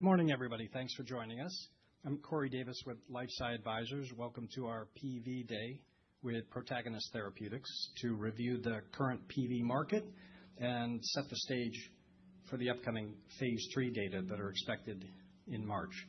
Good morning, everybody. Thanks for joining us. I'm Corey Davis with LifeSci Advisors. Welcome to our PV Day with Protagonist Therapeutics to review the current PV market and set the stage for the upcoming phase III data that are expected in March.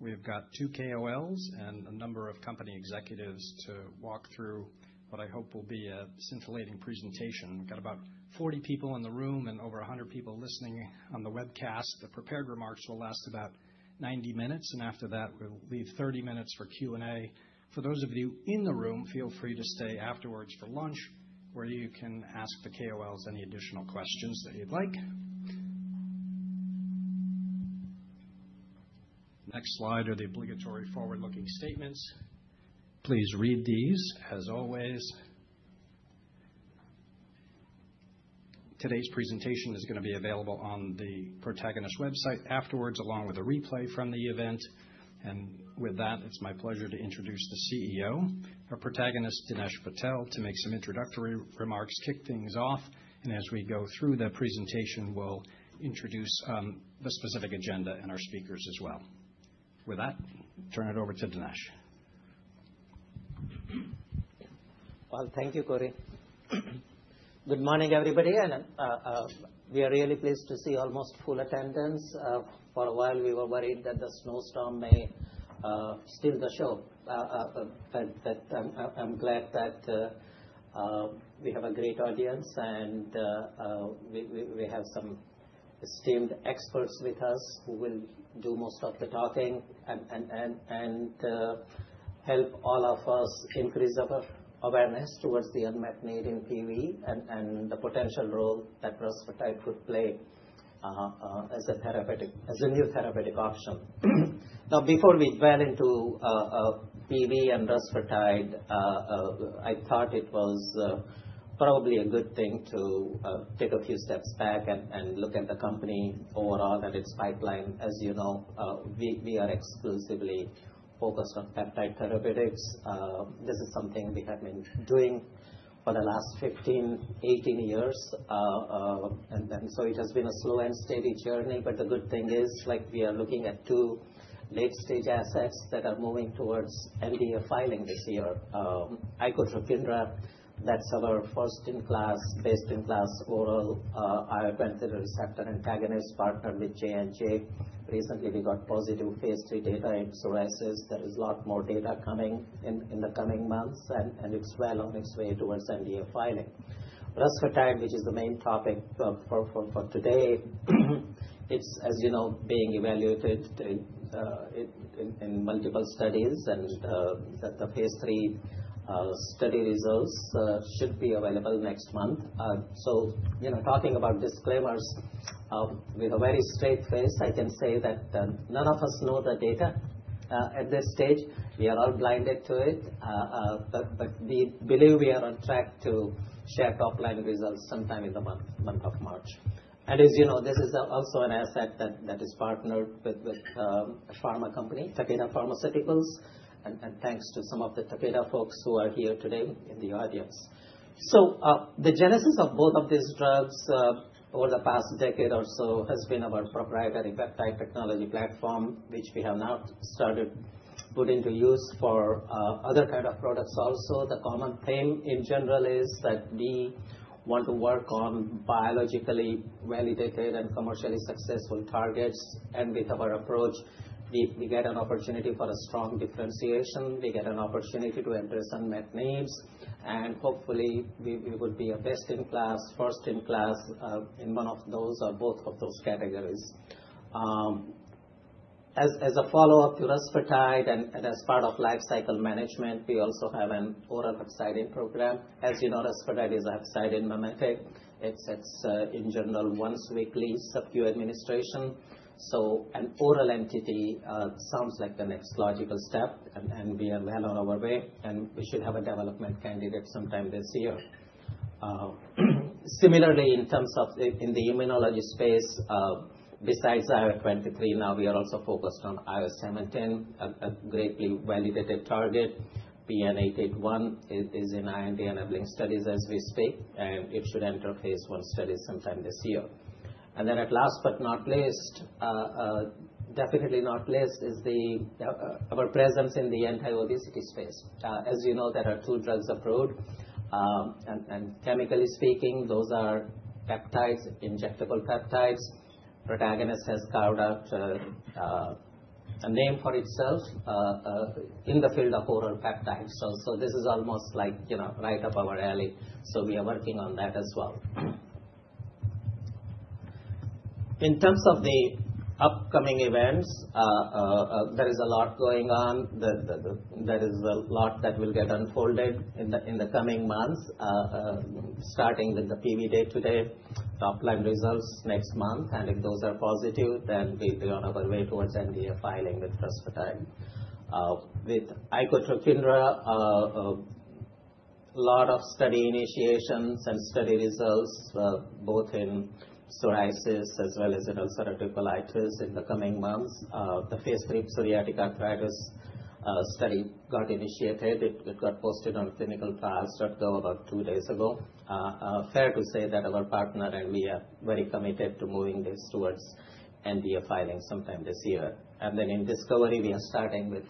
We've got two KOLs and a number of company executives to walk through what I hope will be a scintillating presentation. We've got about 40 people in the room and over 100 people listening on the webcast. The prepared remarks will last about 90 minutes, and after that, we'll leave 30 minutes for Q&A. For those of you in the room, feel free to stay afterwards for lunch, where you can ask the KOLs any additional questions that you'd like. Next slide are the obligatory forward-looking statements. Please read these, as always. Today's presentation is going to be available on the Protagonist website afterwards, along with a replay from the event. And with that, it's my pleasure to introduce the CEO of Protagonist, Dinesh Patel, to make some introductory remarks, kick things off and as we go through the presentation, we'll introduce the specific agenda and our speakers as well. With that, turn it over to Dinesh. Thank you, Cory. Good morning, everybody. We are really pleased to see almost full attendance. For a while, we were worried that the snowstorm may steal the show. But I'm glad that we have a great audience and we have some esteemed experts with us who will do most of the talking and help all of us increase our awareness toward the unmet need in PV and the potential role that rusfertide could play as a new therapeutic option. Now, before we delve into PV and rusfertide, I thought it was probably a good thing to take a few steps back and look at the company overall and its pipeline. As you know, we are exclusively focused on peptide therapeutics. This is something we have been doing for the last 15, 18 years. So it has been a slow and steady journey but the good thing is we are looking at two late-stage assets that are moving towards NDA filing this year. Icotrokinra, that's our first-in-class, best-in-class oral IL-23 receptor antagonist partnered with J&J. Recently, we got positive phase III data in psoriasis. There is a lot more data coming in the coming months, and it's well on its way towards NDA filing. Rusfertide, which is the main topic for today, it's, as you know, being evaluated in multiple studies, and the phase III study results should be available next month. So talking about disclaimers, with a very straight face, I can say that none of us know the data at this stage. We are all blinded to it, but we believe we are on track to share top-line results sometime in the month of March. As you know, this is also an asset that is partnered with a pharma company, Takeda Pharmaceuticals, and thanks to some of the Takeda folks who are here today in the audience. So the genesis of both of these drugs over the past decade or so has been our proprietary peptide technology platform, which we have now started putting to use for other kinds of products also. The common theme in general is that we want to work on biologically validated and commercially successful targets. And with our approach, we get an opportunity for a strong differentiation. We get an opportunity to address unmet needs, and hopefully, we would be a best-in-class, first-in-class in one of both of those categories. As a follow-up to rusfertide and as part of lifecycle management, we also have an oral hepcidin program. As you know, rusfertide is a hepcidin mimetic. It's in general once weekly subcutaneous administration. So an oral entity sounds like the next logical step, and we are well on our way, and we should have a development candidate sometime this year. Similarly, in terms of the immunology space, besides IL-23, now we are also focused on IL-17, a greatly validated target. PN-881 is in IND enabling studies as we speak, and it should enter phase I studies sometime this year. And then at last but not least, definitely not least, is our presence in the anti-obesity space. As you know, there are two drugs approved, and chemically speaking, those are injectable peptides. Protagonist has carved out a name for itself in the field of oral peptides. So this is almost like right up our alley. So we are working on that as well. In terms of the upcoming events, there is a lot going on. There is a lot that will get unfolded in the coming months, starting with the PV Day today, top-line results next month, and if those are positive, then we'll be on our way towards NDA filing with rusfertide. With icotrokinra, a lot of study initiations and study results, both in psoriasis as well as ulcerative colitis in the coming months. The phase III psoriatic arthritis study got initiated. It got posted on ClinicalTrials.gov about two days ago. Fair to say that our partner and we are very committed to moving this towards NDA filing sometime this year, and then in discovery, we are starting with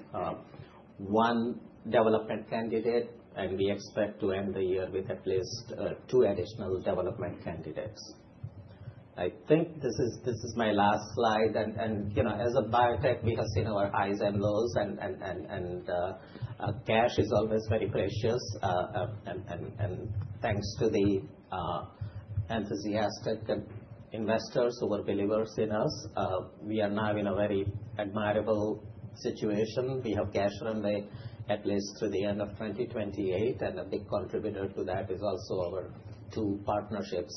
one development candidate, and we expect to end the year with at least two additional development candidates. I think this is my last slide, and as a biotech, we have seen our highs and lows, and cash is always very precious. And thanks to the enthusiastic investors who were believers in us, we are now in a very admirable situation. We have cash runway at least through the end of 2028, and a big contributor to that is also our two partnerships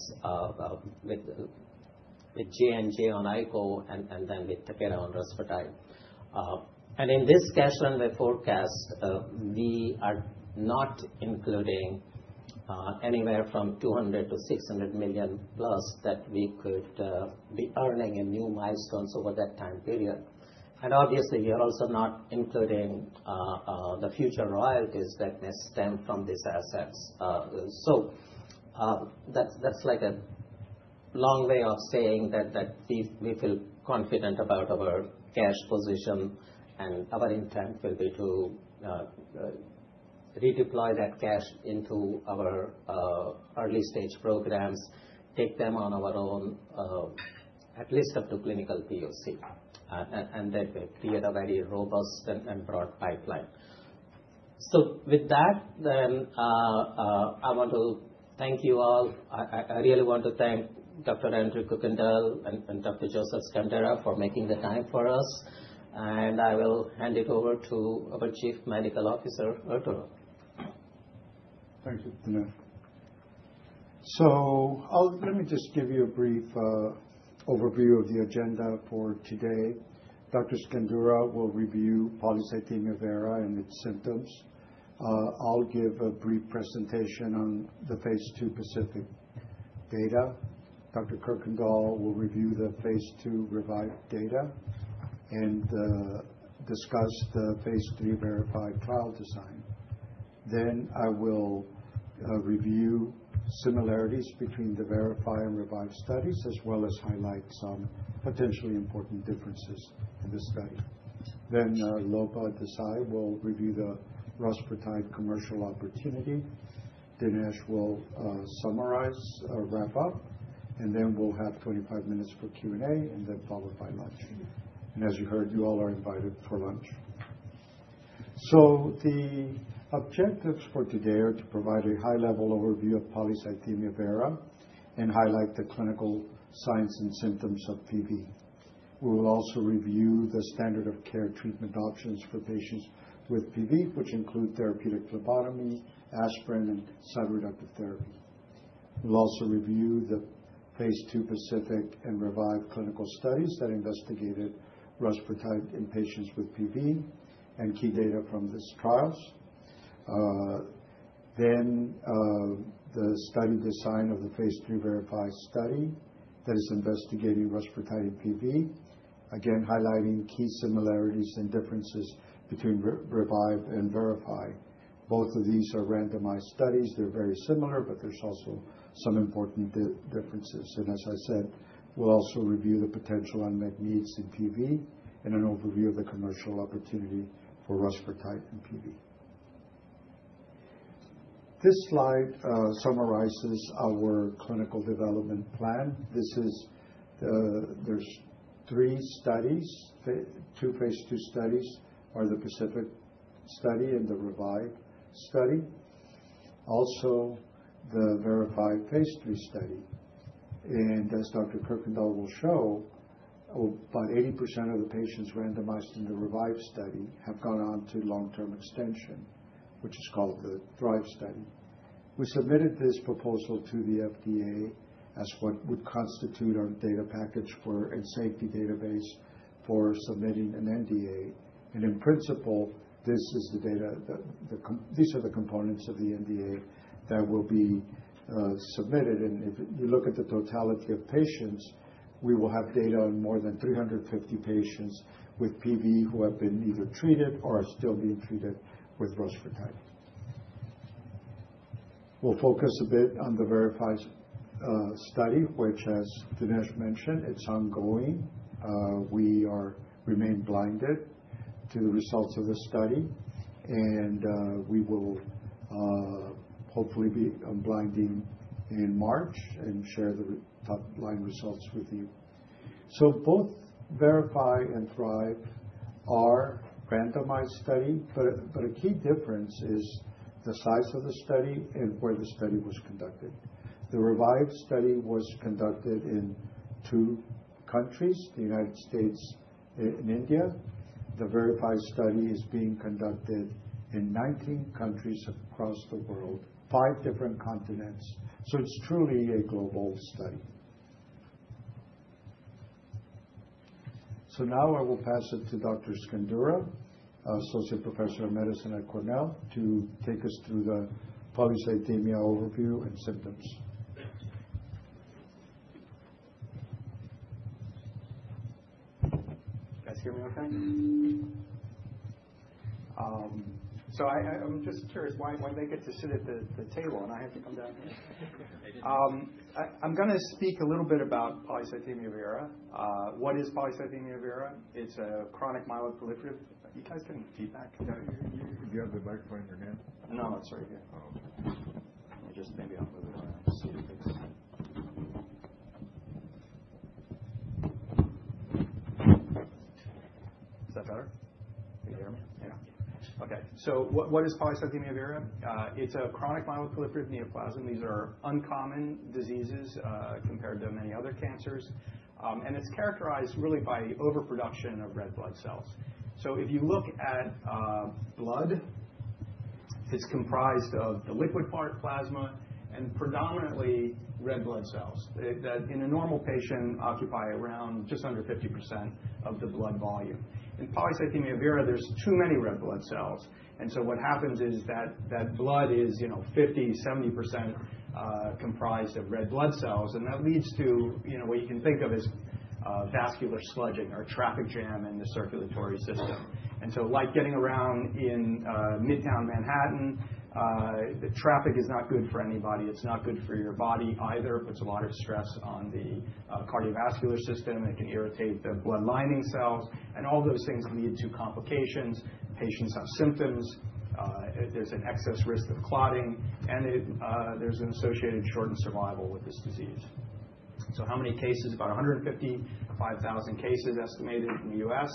with J&J on icotrokinra and then with Takeda on rusfertide. And in this cash runway forecast, we are not including anywhere from $200 million-$600 million plus that we could be earning in new milestones over that time period. And obviously, we are also not including the future royalties that may stem from these assets. So that's like a long way of saying that we feel confident about our cash position, and our intent will be to redeploy that cash into our early-stage programs, take them on our own at least up to clinical POC, and that will create a very robust and broad pipeline. So with that, then I want to thank you all. I really want to thank Dr. Andrew Kuykendall and Dr. Joseph Scandura for making the time for us. And I will hand it over to our Chief Medical Officer, Arturo. Thank you, Dinesh. So let me just give you a brief overview of the agenda for today. Dr. Scandura will review polycythemia vera and its symptoms. I'll give a brief presentation on the phase II PACIFIC data. Dr. Kuykendall will review the phase II REVIVE data and discuss the phase III VERIFY trial design. Then I will review similarities between the VERIFY and REVIVE studies, as well as highlight some potentially important differences in this study. Then Lopa Desai will review the rusfertide commercial opportunity. Dinesh will summarize, wrap up, and then we'll have 25 minutes for Q&A and then followed by lunch. And as you heard, you all are invited for lunch. So the objectives for today are to provide a high-level overview of polycythemia vera and highlight the clinical signs and symptoms of PV. We will also review the standard of care treatment options for patients with PV, which include therapeutic phlebotomy, aspirin, and cytoreductive therapy. We'll also review the phase II PACIFIC and REVIVE clinical studies that investigated rusfertide in patients with PV and key data from these trials. Then the study design of the phase III VERIFY study that is investigating rusfertide in PV, again highlighting key similarities and differences between REVIVE and VERIFY. Both of these are randomized studies. They're very similar, but there's also some important differences. And as I said, we'll also review the potential unmet needs in PV and an overview of the commercial opportunity for rusfertide in PV. This slide summarizes our clinical development plan. There's three studies, two phase II studies, the PACIFIC study and the REVIVE study, also the VERIFY phase III study. And as Dr. Kuykendall will show about 80% of the patients randomized in the REVIVE study have gone on to long-term extension, which is called the THRIVE study. We submitted this proposal to the FDA as what would constitute our data package and safety database for submitting an NDA. In principle, these are the components of the NDA that will be submitted. If you look at the totality of patients, we will have data on more than 350 patients with PV who have been either treated or are still being treated with rusfertide. We'll focus a bit on the VERIFY study, which, as Dinesh mentioned, it's ongoing. We remain blinded to the results of this study, and we will hopefully be unblinding in March and share the top-line results with you. Both VERIFY and THRIVE are randomized studies, but a key difference is the size of the study and where the study was conducted. The REVIVE study was conducted in two countries, the United States and India. The VERIFY study is being conducted in 19 countries across the world, five different continents. So it's truly a global study. So now I will pass it to Dr. Scandura, Associate Professor of Medicine at Cornell, to take us through the polycythemia overview and symptoms. Can I see everyone okay? So I'm just curious why they get to sit at the table, and I have to come down here. I'm going to speak a little bit about polycythemia vera. What is polycythemia vera? It's a chronic myeloproliferative. You guys can feedback. You have the microphone in your hand? No, it's right here. Oh, okay. Let me just maybe unmute my mic and see if it's. Is that better? Can you hear me? Yeah. Okay. So what is polycythemia vera? It's a chronic myeloproliferative neoplasm. These are uncommon diseases compared to many other cancers. And it's characterized really by overproduction of red blood cells. So if you look at blood, it's comprised of the liquid plasma and predominantly red blood cells that, in a normal patient, occupy around just under 50% of the blood volume. In polycythemia vera, there's too many red blood cells. And so what happens is that blood is 50%-70% comprised of red blood cells, and that leads to what you can think of as vascular sludging or a traffic jam in the circulatory system. And so like getting around in Midtown Manhattan, traffic is not good for anybody. It's not good for your body either. It puts a lot of stress on the cardiovascular system. It can irritate the bloodlining cells, and all those things lead to complications. Patients have symptoms. There's an excess risk of clotting, and there's an associated shortened survival with this disease. So how many cases? About 150-5,000 cases estimated in the U.S.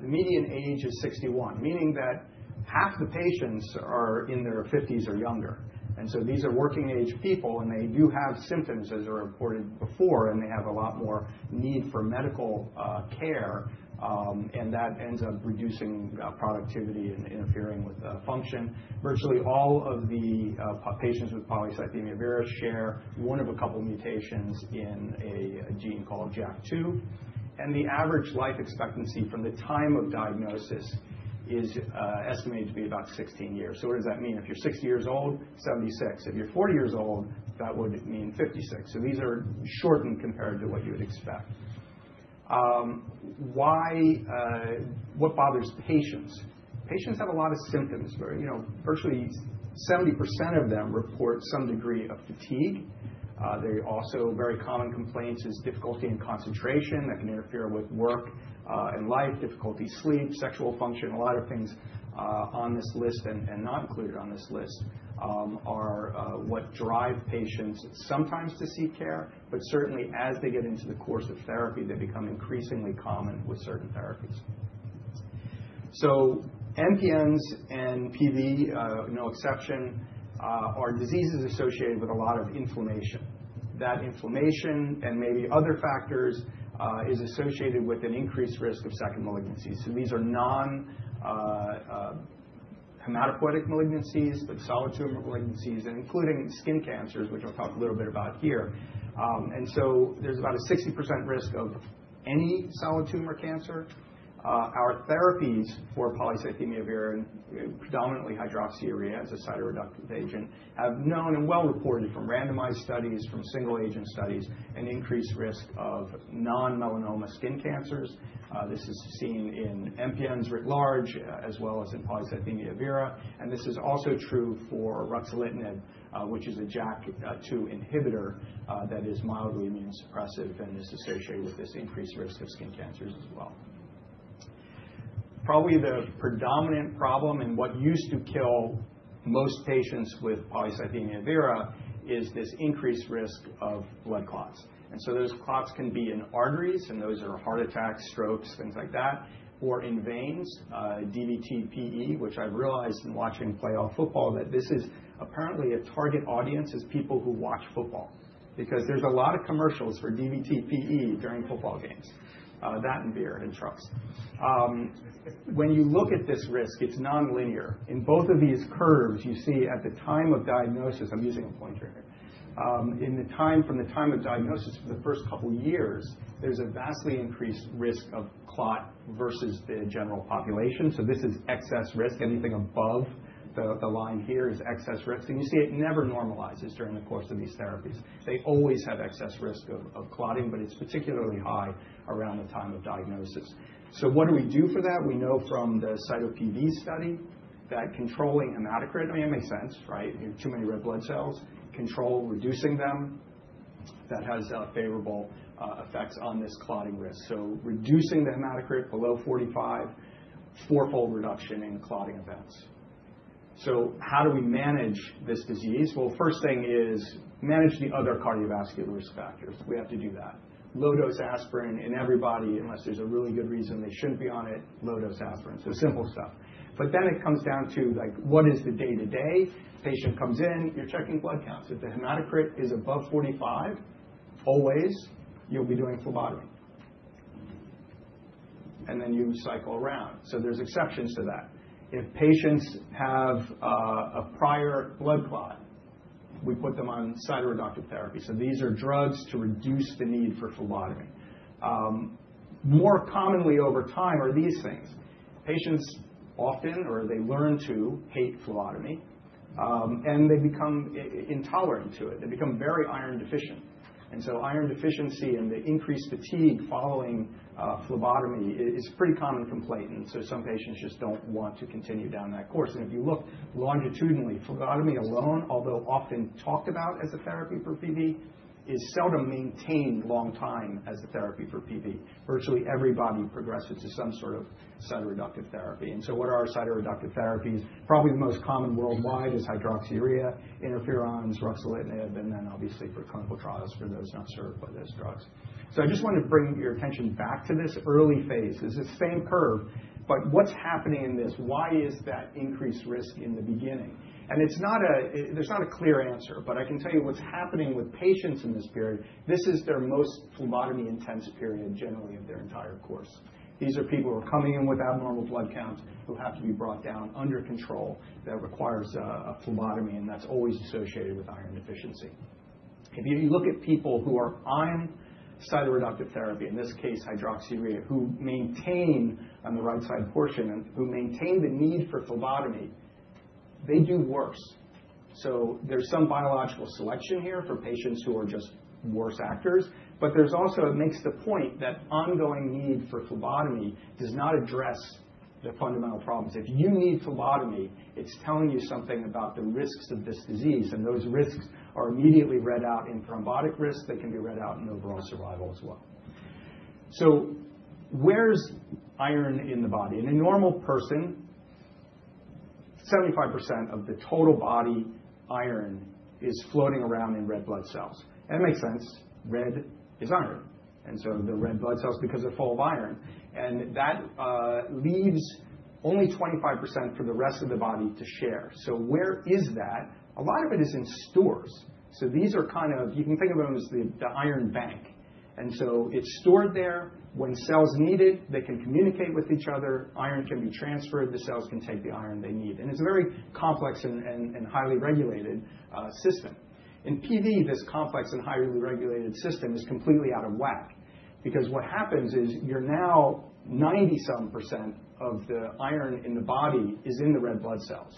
The median age is 61, meaning that half the patients are in their 50s or younger. And so these are working-age people, and they do have symptoms, as reported before, and they have a lot more need for medical care, and that ends up reducing productivity and interfering with function. Virtually all of the patients with polycythemia vera share one of a couple of mutations in a gene called JAK2. And the average life expectancy from the time of diagnosis is estimated to be about 16 years. So what does that mean? If you're 60 years old, 76. If you're 40 years old, that would mean 56. So these are shortened compared to what you would expect. What bothers patients? Patients have a lot of symptoms. Virtually 70% of them report some degree of fatigue. They also have very common complaints of difficulty in concentration that can interfere with work and life, difficulty sleeping, sexual function. A lot of things on this list and not included on this list are what drive patients sometimes to seek care, but certainly as they get into the course of therapy, they become increasingly common with certain therapies. So MPNs and PV, no exception, are diseases associated with a lot of inflammation. That inflammation and maybe other factors is associated with an increased risk of second malignancies. So these are non-hematopoietic malignancies, but solid tumor malignancies, including skin cancers, which I'll talk a little bit about here. And so there's about a 60% risk of any solid tumor cancer. Our therapies for polycythemia vera, predominantly hydroxyurea as a cytoreductive agent, have known and well-reported from randomized studies, from single-agent studies, an increased risk of non-melanoma skin cancers. This is seen in MPNs writ large, as well as in polycythemia vera. And this is also true for ruxolitinib, which is a JAK2 inhibitor that is mildly immunosuppressive, and it's associated with this increased risk of skin cancers as well. Probably the predominant problem and what used to kill most patients with polycythemia vera is this increased risk of blood clots. And so those clots can be in arteries, and those are heart attacks, strokes, things like that, or in veins. DVT/PE, which I've realized in watching playoff football that this is apparently a target audience is people who watch football because there's a lot of commercials for DVT/PE during football games. That and beer and trucks. When you look at this risk, it's non-linear. In both of these curves, you see at the time of diagnosis I'm using a pointer here. From the time of diagnosis for the first couple of years, there's a vastly increased risk of clot versus the general population. So this is excess risk. Anything above the line here is excess risk. And you see it never normalizes during the course of these therapies. They always have excess risk of clotting, but it's particularly high around the time of diagnosis. So what do we do for that? We know from the CYTO-PV study that controlling hematocrit, I mean, it makes sense, right? Too many red blood cells. Controlling reducing them that has favorable effects on this clotting risk. So reducing the hematocrit below 45, four-fold reduction in clotting events. So how do we manage this disease? Well, first thing is manage the other cardiovascular risk factors. We have to do that. Low-dose aspirin in everybody, unless there's a really good reason they shouldn't be on it, low-dose aspirin. So simple stuff. But then it comes down to what is the day-to-day. Patient comes in, you're checking blood counts. If the hematocrit is above 45, always you'll be doing phlebotomy. And then you cycle around. So there's exceptions to that. If patients have a prior blood clot, we put them on cytoreductive therapy. So these are drugs to reduce the need for phlebotomy. More commonly over time are these things. Patients often, or they learn to, hate phlebotomy, and they become intolerant to it. They become very iron deficient, and so iron deficiency and the increased fatigue following phlebotomy is a pretty common complaint. Some patients just don't want to continue down that course. If you look longitudinally, phlebotomy alone, although often talked about as a therapy for PV, is seldom maintained long time as a therapy for PV. Virtually everybody progresses to some sort of cytoreductive therapy. What are cytoreductive therapies? Probably the most common worldwide is hydroxyurea, interferons, ruxolitinib, and then obviously for clinical trials for those not served by those drugs. I just want to bring your attention back to this early phase. This is the same curve, but what's happening in this? Why is that increased risk in the beginning? There's not a clear answer, but I can tell you what's happening with patients in this period. This is their most phlebotomy-intense period generally of their entire course. These are people who are coming in with abnormal blood counts who have to be brought down under control that requires a phlebotomy, and that's always associated with iron deficiency. If you look at people who are on cytoreductive therapy, in this case hydroxyurea, who maintain on the right-side portion and who maintain the need for phlebotomy, they do worse. There's some biological selection here for patients who are just worse actors, but there's also it makes the point that ongoing need for phlebotomy does not address the fundamental problems. If you need phlebotomy, it's telling you something about the risks of this disease, and those risks are immediately read out in thrombotic risk. They can be read out in overall survival as well, so where's iron in the body? In a normal person, 75% of the total body iron is floating around in red blood cells, and it makes sense. Red is iron, and so the red blood cells because they're full of iron, and that leaves only 25% for the rest of the body to share, so where is that? A lot of it is in stores, so these are kind of, you can think of them as the iron bank, and so it's stored there. When cells need it, they can communicate with each other. Iron can be transferred. The cells can take the iron they need, and it's a very complex and highly regulated system. In PV, this complex and highly regulated system is completely out of whack because what happens is you're now 90-some% of the iron in the body is in the red blood cells.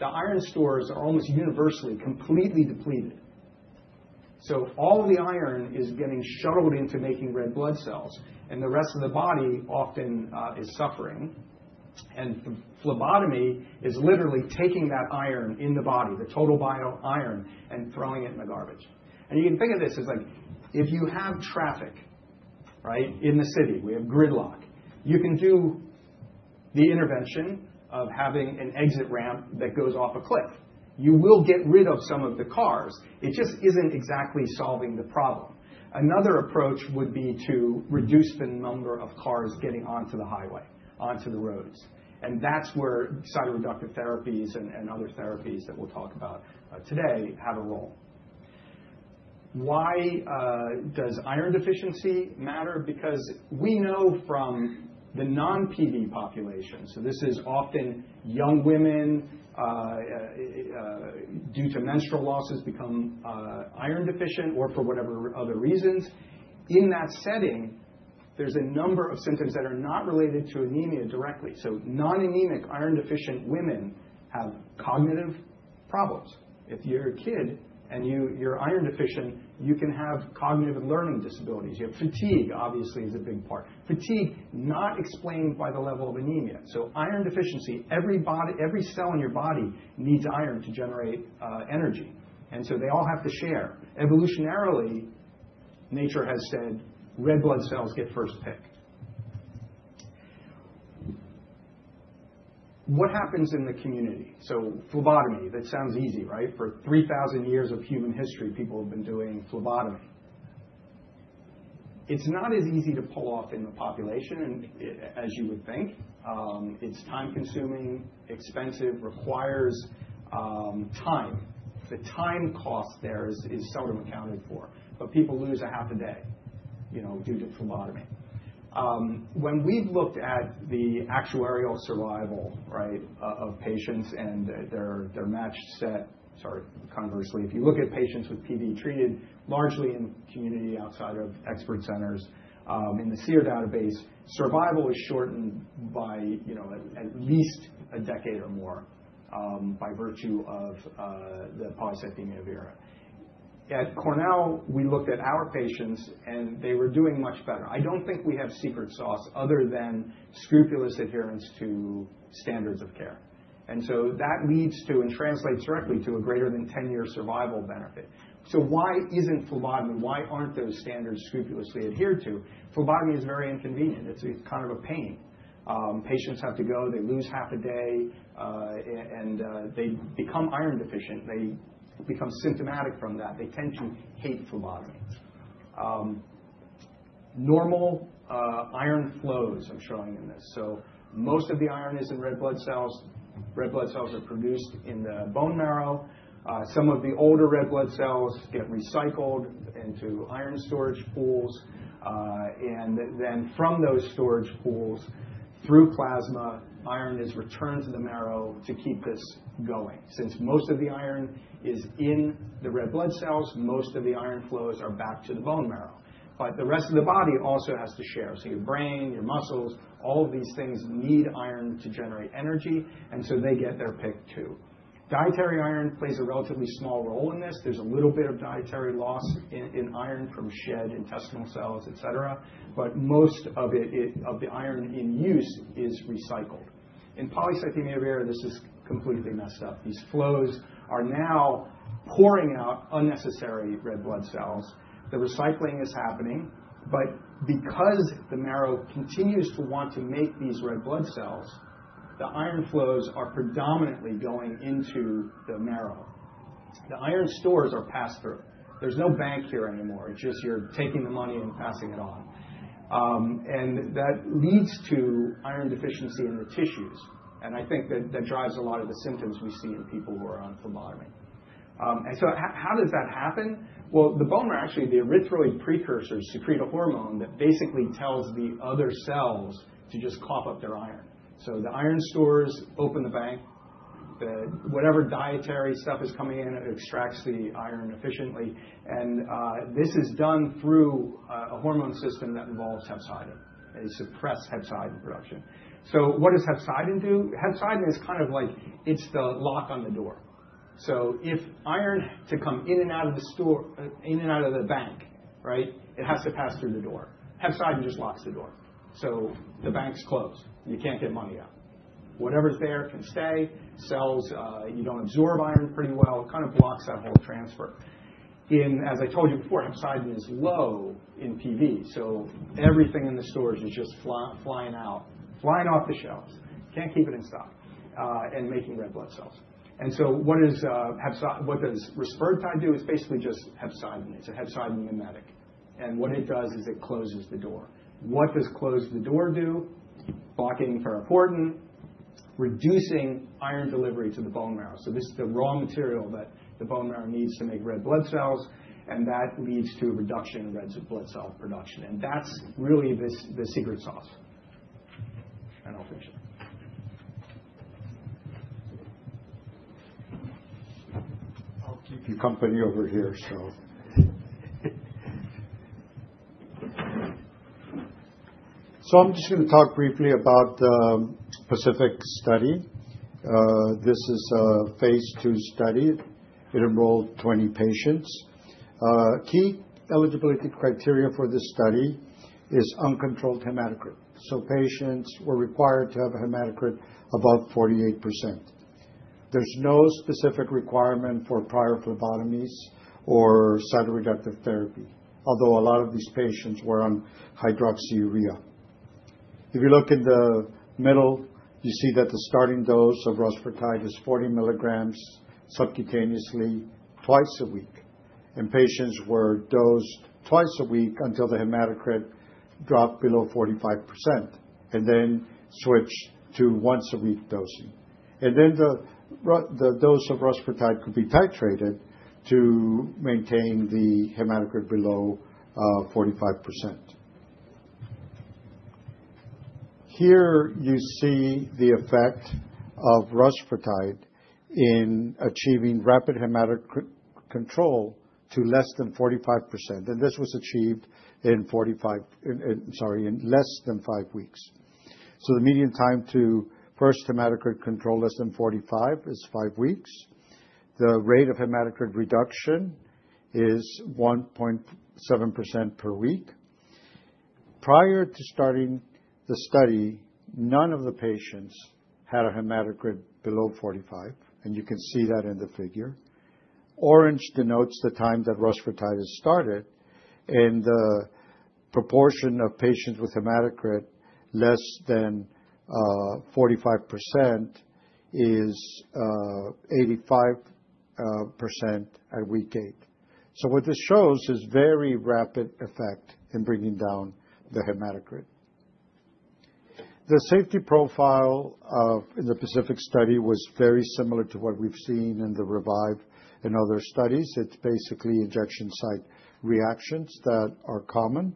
The iron stores are almost universally completely depleted. So all of the iron is getting shuttled into making red blood cells, and the rest of the body often is suffering. And phlebotomy is literally taking that iron in the body, the total bio-iron, and throwing it in the garbage. And you can think of this as if you have traffic, right, in the city. We have gridlock. You can do the intervention of having an exit ramp that goes off a cliff. You will get rid of some of the cars. It just isn't exactly solving the problem. Another approach would be to reduce the number of cars getting onto the highway, onto the roads. That's where cytoreductive therapies and other therapies that we'll talk about today have a role. Why does iron deficiency matter? Because we know from the non-PV population, so this is often young women due to menstrual losses become iron deficient or for whatever other reasons. In that setting, there's a number of symptoms that are not related to anemia directly. So non-anemic iron deficient women have cognitive problems. If you're a kid and you're iron deficient, you can have cognitive and learning disabilities. You have fatigue, obviously, is a big part. Fatigue not explained by the level of anemia. So iron deficiency, every cell in your body needs iron to generate energy. They all have to share. Evolutionarily, nature has said red blood cells get first pick. What happens in the community? So phlebotomy, that sounds easy, right? For 3,000 years of human history, people have been doing phlebotomy. It's not as easy to pull off in the population as you would think. It's time-consuming, expensive, requires time. The time cost there is seldom accounted for, but people lose a half a day due to phlebotomy. When we've looked at the actuarial survival, right, of patients and their match set, sorry, conversely, if you look at patients with PV treated, largely in community outside of expert centers, in the SEER database, survival is shortened by at least a decade or more by virtue of the polycythemia vera. At Cornell, we looked at our patients, and they were doing much better. I don't think we have secret sauce other than scrupulous adherence to standards of care, and so that leads to and translates directly to a greater than 10-year survival benefit. So why isn't phlebotomy? Why aren't those standards scrupulously adhered to? Phlebotomy is very inconvenient. It's kind of a pain. Patients have to go. They lose half a day, and they become iron deficient. They become symptomatic from that. They tend to hate phlebotomy. Normal iron flows I'm showing in this. So most of the iron is in red blood cells. Red blood cells are produced in the bone marrow. Some of the older red blood cells get recycled into iron storage pools. And then from those storage pools, through plasma, iron is returned to the marrow to keep this going. Since most of the iron is in the red blood cells, most of the iron flows are back to the bone marrow. But the rest of the body also has to share. So your brain, your muscles, all of these things need iron to generate energy, and so they get their pick too. Dietary iron plays a relatively small role in this. There's a little bit of dietary loss in iron from shed intestinal cells, etc. But most of the iron in use is recycled. In polycythemia vera, this is completely messed up. These flows are now pouring out unnecessary red blood cells. The recycling is happening, but because the marrow continues to want to make these red blood cells, the iron flows are predominantly going into the marrow. The iron stores are passed through. There's no bank here anymore. It's just you're taking the money and passing it on. And that leads to iron deficiency in the tissues. And I think that drives a lot of the symptoms we see in people who are on phlebotomy. And so how does that happen? The bone marrow, actually, the erythroid precursor secretes a hormone that basically tells the other cells to just cough up their iron. The iron stores open the bank. Whatever dietary stuff is coming in, it extracts the iron efficiently. This is done through a hormone system that involves hepcidin. They suppress hepcidin production. What does hepcidin do? Hepcidin is kind of like it's the lock on the door. If iron to come in and out of the store, in and out of the bank, right, it has to pass through the door. Hepcidin just locks the door. The bank's closed. You can't get money out. Whatever's there can stay. Cells, you don't absorb iron pretty well. It kind of blocks that whole transfer. As I told you before, hepcidin is low in PV. Everything in the stores is just flying out, flying off the shelves. Can't keep it in stock and making red blood cells. And so what does rusfertide do? It's basically just hepcidin. It's a hepcidin mimetic. And what it does is it closes the door. What does close the door do? Blocking ferroportin, reducing iron delivery to the bone marrow. So this is the raw material that the bone marrow needs to make red blood cells, and that leads to a reduction in red blood cell production. And that's really the secret sauce. And I'll finish it. I'll keep you company over here, so. I'm just going to talk briefly about the specific study. This is a phase II study. It enrolled 20 patients. Key eligibility criteria for this study is uncontrolled hematocrit. So patients were required to have a hematocrit above 48%. There's no specific requirement for prior phlebotomies or cytoreductive therapy, although a lot of these patients were on hydroxyurea. If you look in the middle, you see that the starting dose of rusfertide is 40 mg subcutaneously twice a week. Patients were dosed twice a week until the hematocrit dropped below 45% and then switched to once-a-week dosing. Then the dose of rusfertide could be titrated to maintain the hematocrit below 45%. Here you see the effect of rusfertide in achieving rapid hematocrit control to less than 45%. And this was achieved in 45, sorry, in less than five weeks. The median time to first hematocrit control less than 45% is five weeks. The rate of hematocrit reduction is 1.7% per week. Prior to starting the study, none of the patients had a hematocrit below 45%. And you can see that in the figure. Orange denotes the time that rusfertide started. And the proportion of patients with hematocrit less than 45% is 85% at week eight. So what this shows is very rapid effect in bringing down the hematocrit. The safety profile in the PACIFIC study was very similar to what we've seen in the REVIVE and other studies. It's basically injection site reactions that are common.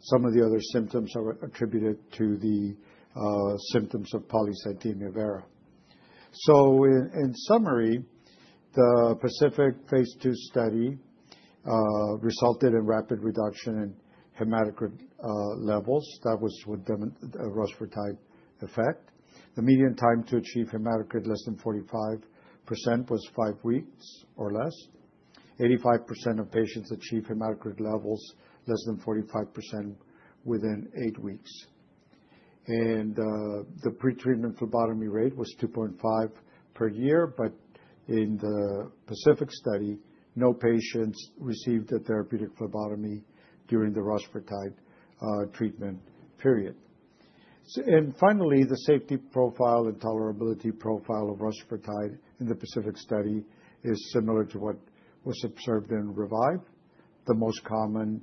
Some of the other symptoms are attributed to the symptoms of polycythemia vera. So in summary, the PACIFIC phase II study resulted in rapid reduction in hematocrit levels. That was with the rusfertide effect. The median time to achieve hematocrit less than 45% was five weeks or less. 85% of patients achieved hematocrit levels less than 45% within eight weeks. And the pretreatment phlebotomy rate was 2.5 per year, but in the PACIFIC study, no patients received a therapeutic phlebotomy during the rusfertide treatment. And finally, the safety profile and tolerability profile of rusfertide in the specific study is similar to what was observed in REVIVE. The most common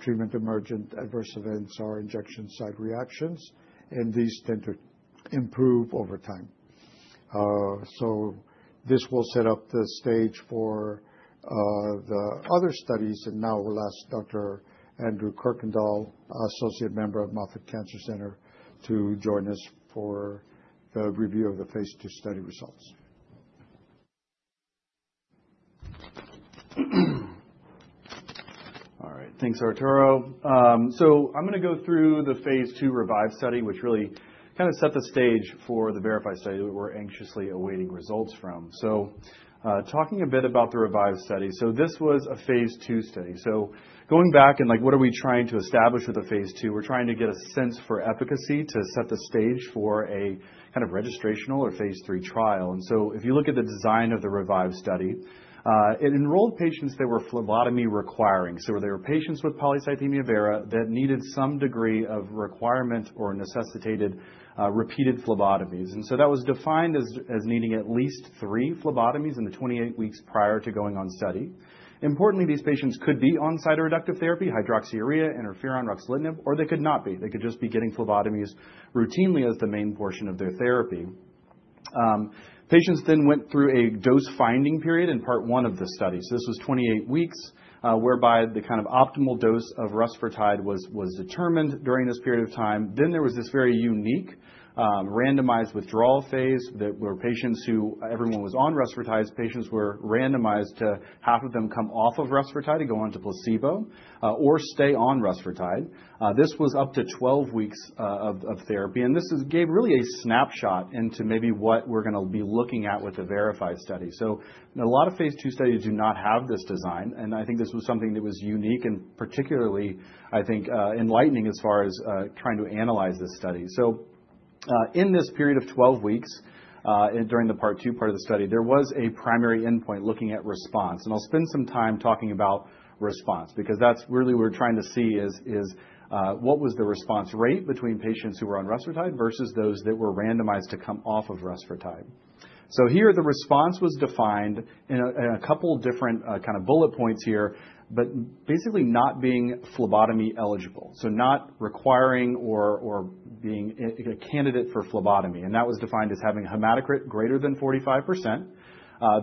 treatment emergent adverse events are injection site reactions, and these tend to improve over time. So this will set up the stage for the other studies. And now we'll ask Dr. Andrew Kuykendall, associate member of Moffitt Cancer Center, to join us for the review of the phase II study results. All right. Thanks, Arturo. So I'm going to go through the phase II REVIVE study, which really kind of set the stage for the VERIFY study that we're anxiously awaiting results from. So talking a bit about the REVIVE study, so this was a phase II study. So going back and what are we trying to establish with the phase II? We're trying to get a sense for efficacy to set the stage for a kind of registrational or phase III trial. And so if you look at the design of the REVIVE study, it enrolled patients that were phlebotomy requiring. So there were patients with polycythemia vera that needed some degree of requirement or necessitated repeated phlebotomies. And so that was defined as needing at least three phlebotomies in the 28 weeks prior to going on study. Importantly, these patients could be on cytoreductive therapy, hydroxyurea, interferon, ruxolitinib, or they could not be. They could just be getting phlebotomies routinely as the main portion of their therapy. Patients then went through a dose-finding period in part one of the study. This was 28 weeks, whereby the kind of optimal dose of rusfertide was determined during this period of time. Then there was this very unique randomized withdrawal phase where patients who everyone was on rusfertide, patients were randomized to half of them come off of rusfertide to go on to placebo or stay on rusfertide. This was up to 12 weeks of therapy. This gave really a snapshot into maybe what we're going to be looking at with the VERIFY study. A lot of phase II studies do not have this design. I think this was something that was unique and particularly, I think, enlightening as far as trying to analyze this study. In this period of 12 weeks during the part two part of the study, there was a primary endpoint looking at response. I'll spend some time talking about response because that's really what we're trying to see is what was the response rate between patients who were on rusfertide versus those that were randomized to come off of rusfertide. Here, the response was defined in a couple of different kind of bullet points here, but basically not being phlebotomy eligible. Not requiring or being a candidate for phlebotomy. That was defined as having hematocrit greater than 45%.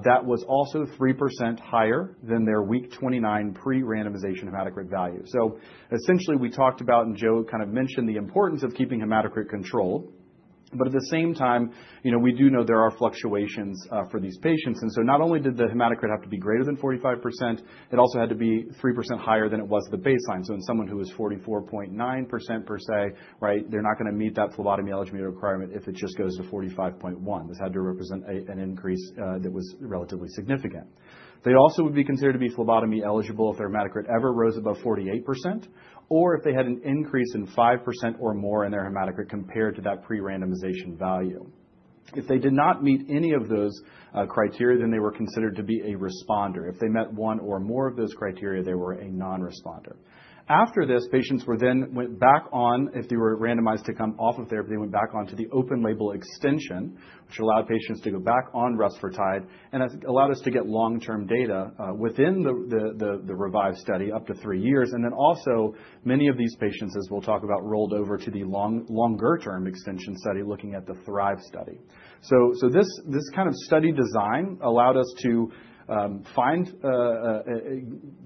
That was also 3% higher than their week 29 pre-randomization hematocrit value. So essentially, we talked about, and Joe kind of mentioned the importance of keeping hematocrit controlled. But at the same time, we do know there are fluctuations for these patients. And so not only did the hematocrit have to be greater than 45%, it also had to be 3% higher than it was the baseline. So in someone who is 44.9% per se, right, they're not going to meet that phlebotomy eligibility requirement if it just goes to 45.1%. This had to represent an increase that was relatively significant. They also would be considered to be phlebotomy eligible if their hematocrit ever rose above 48% or if they had an increase in 5% or more in their hematocrit compared to that pre-randomization value. If they did not meet any of those criteria, then they were considered to be a responder. If they met one or more of those criteria, they were a non-responder. After this, if they were randomized to come off of therapy, they went back on to the open-label extension, which allowed patients to go back on rusfertide and allowed us to get long-term data within the REVIVE study up to three years, and then also, many of these patients, as we'll talk about, rolled over to the longer-term extension study looking at the THRIVE study. So this kind of study design allowed us to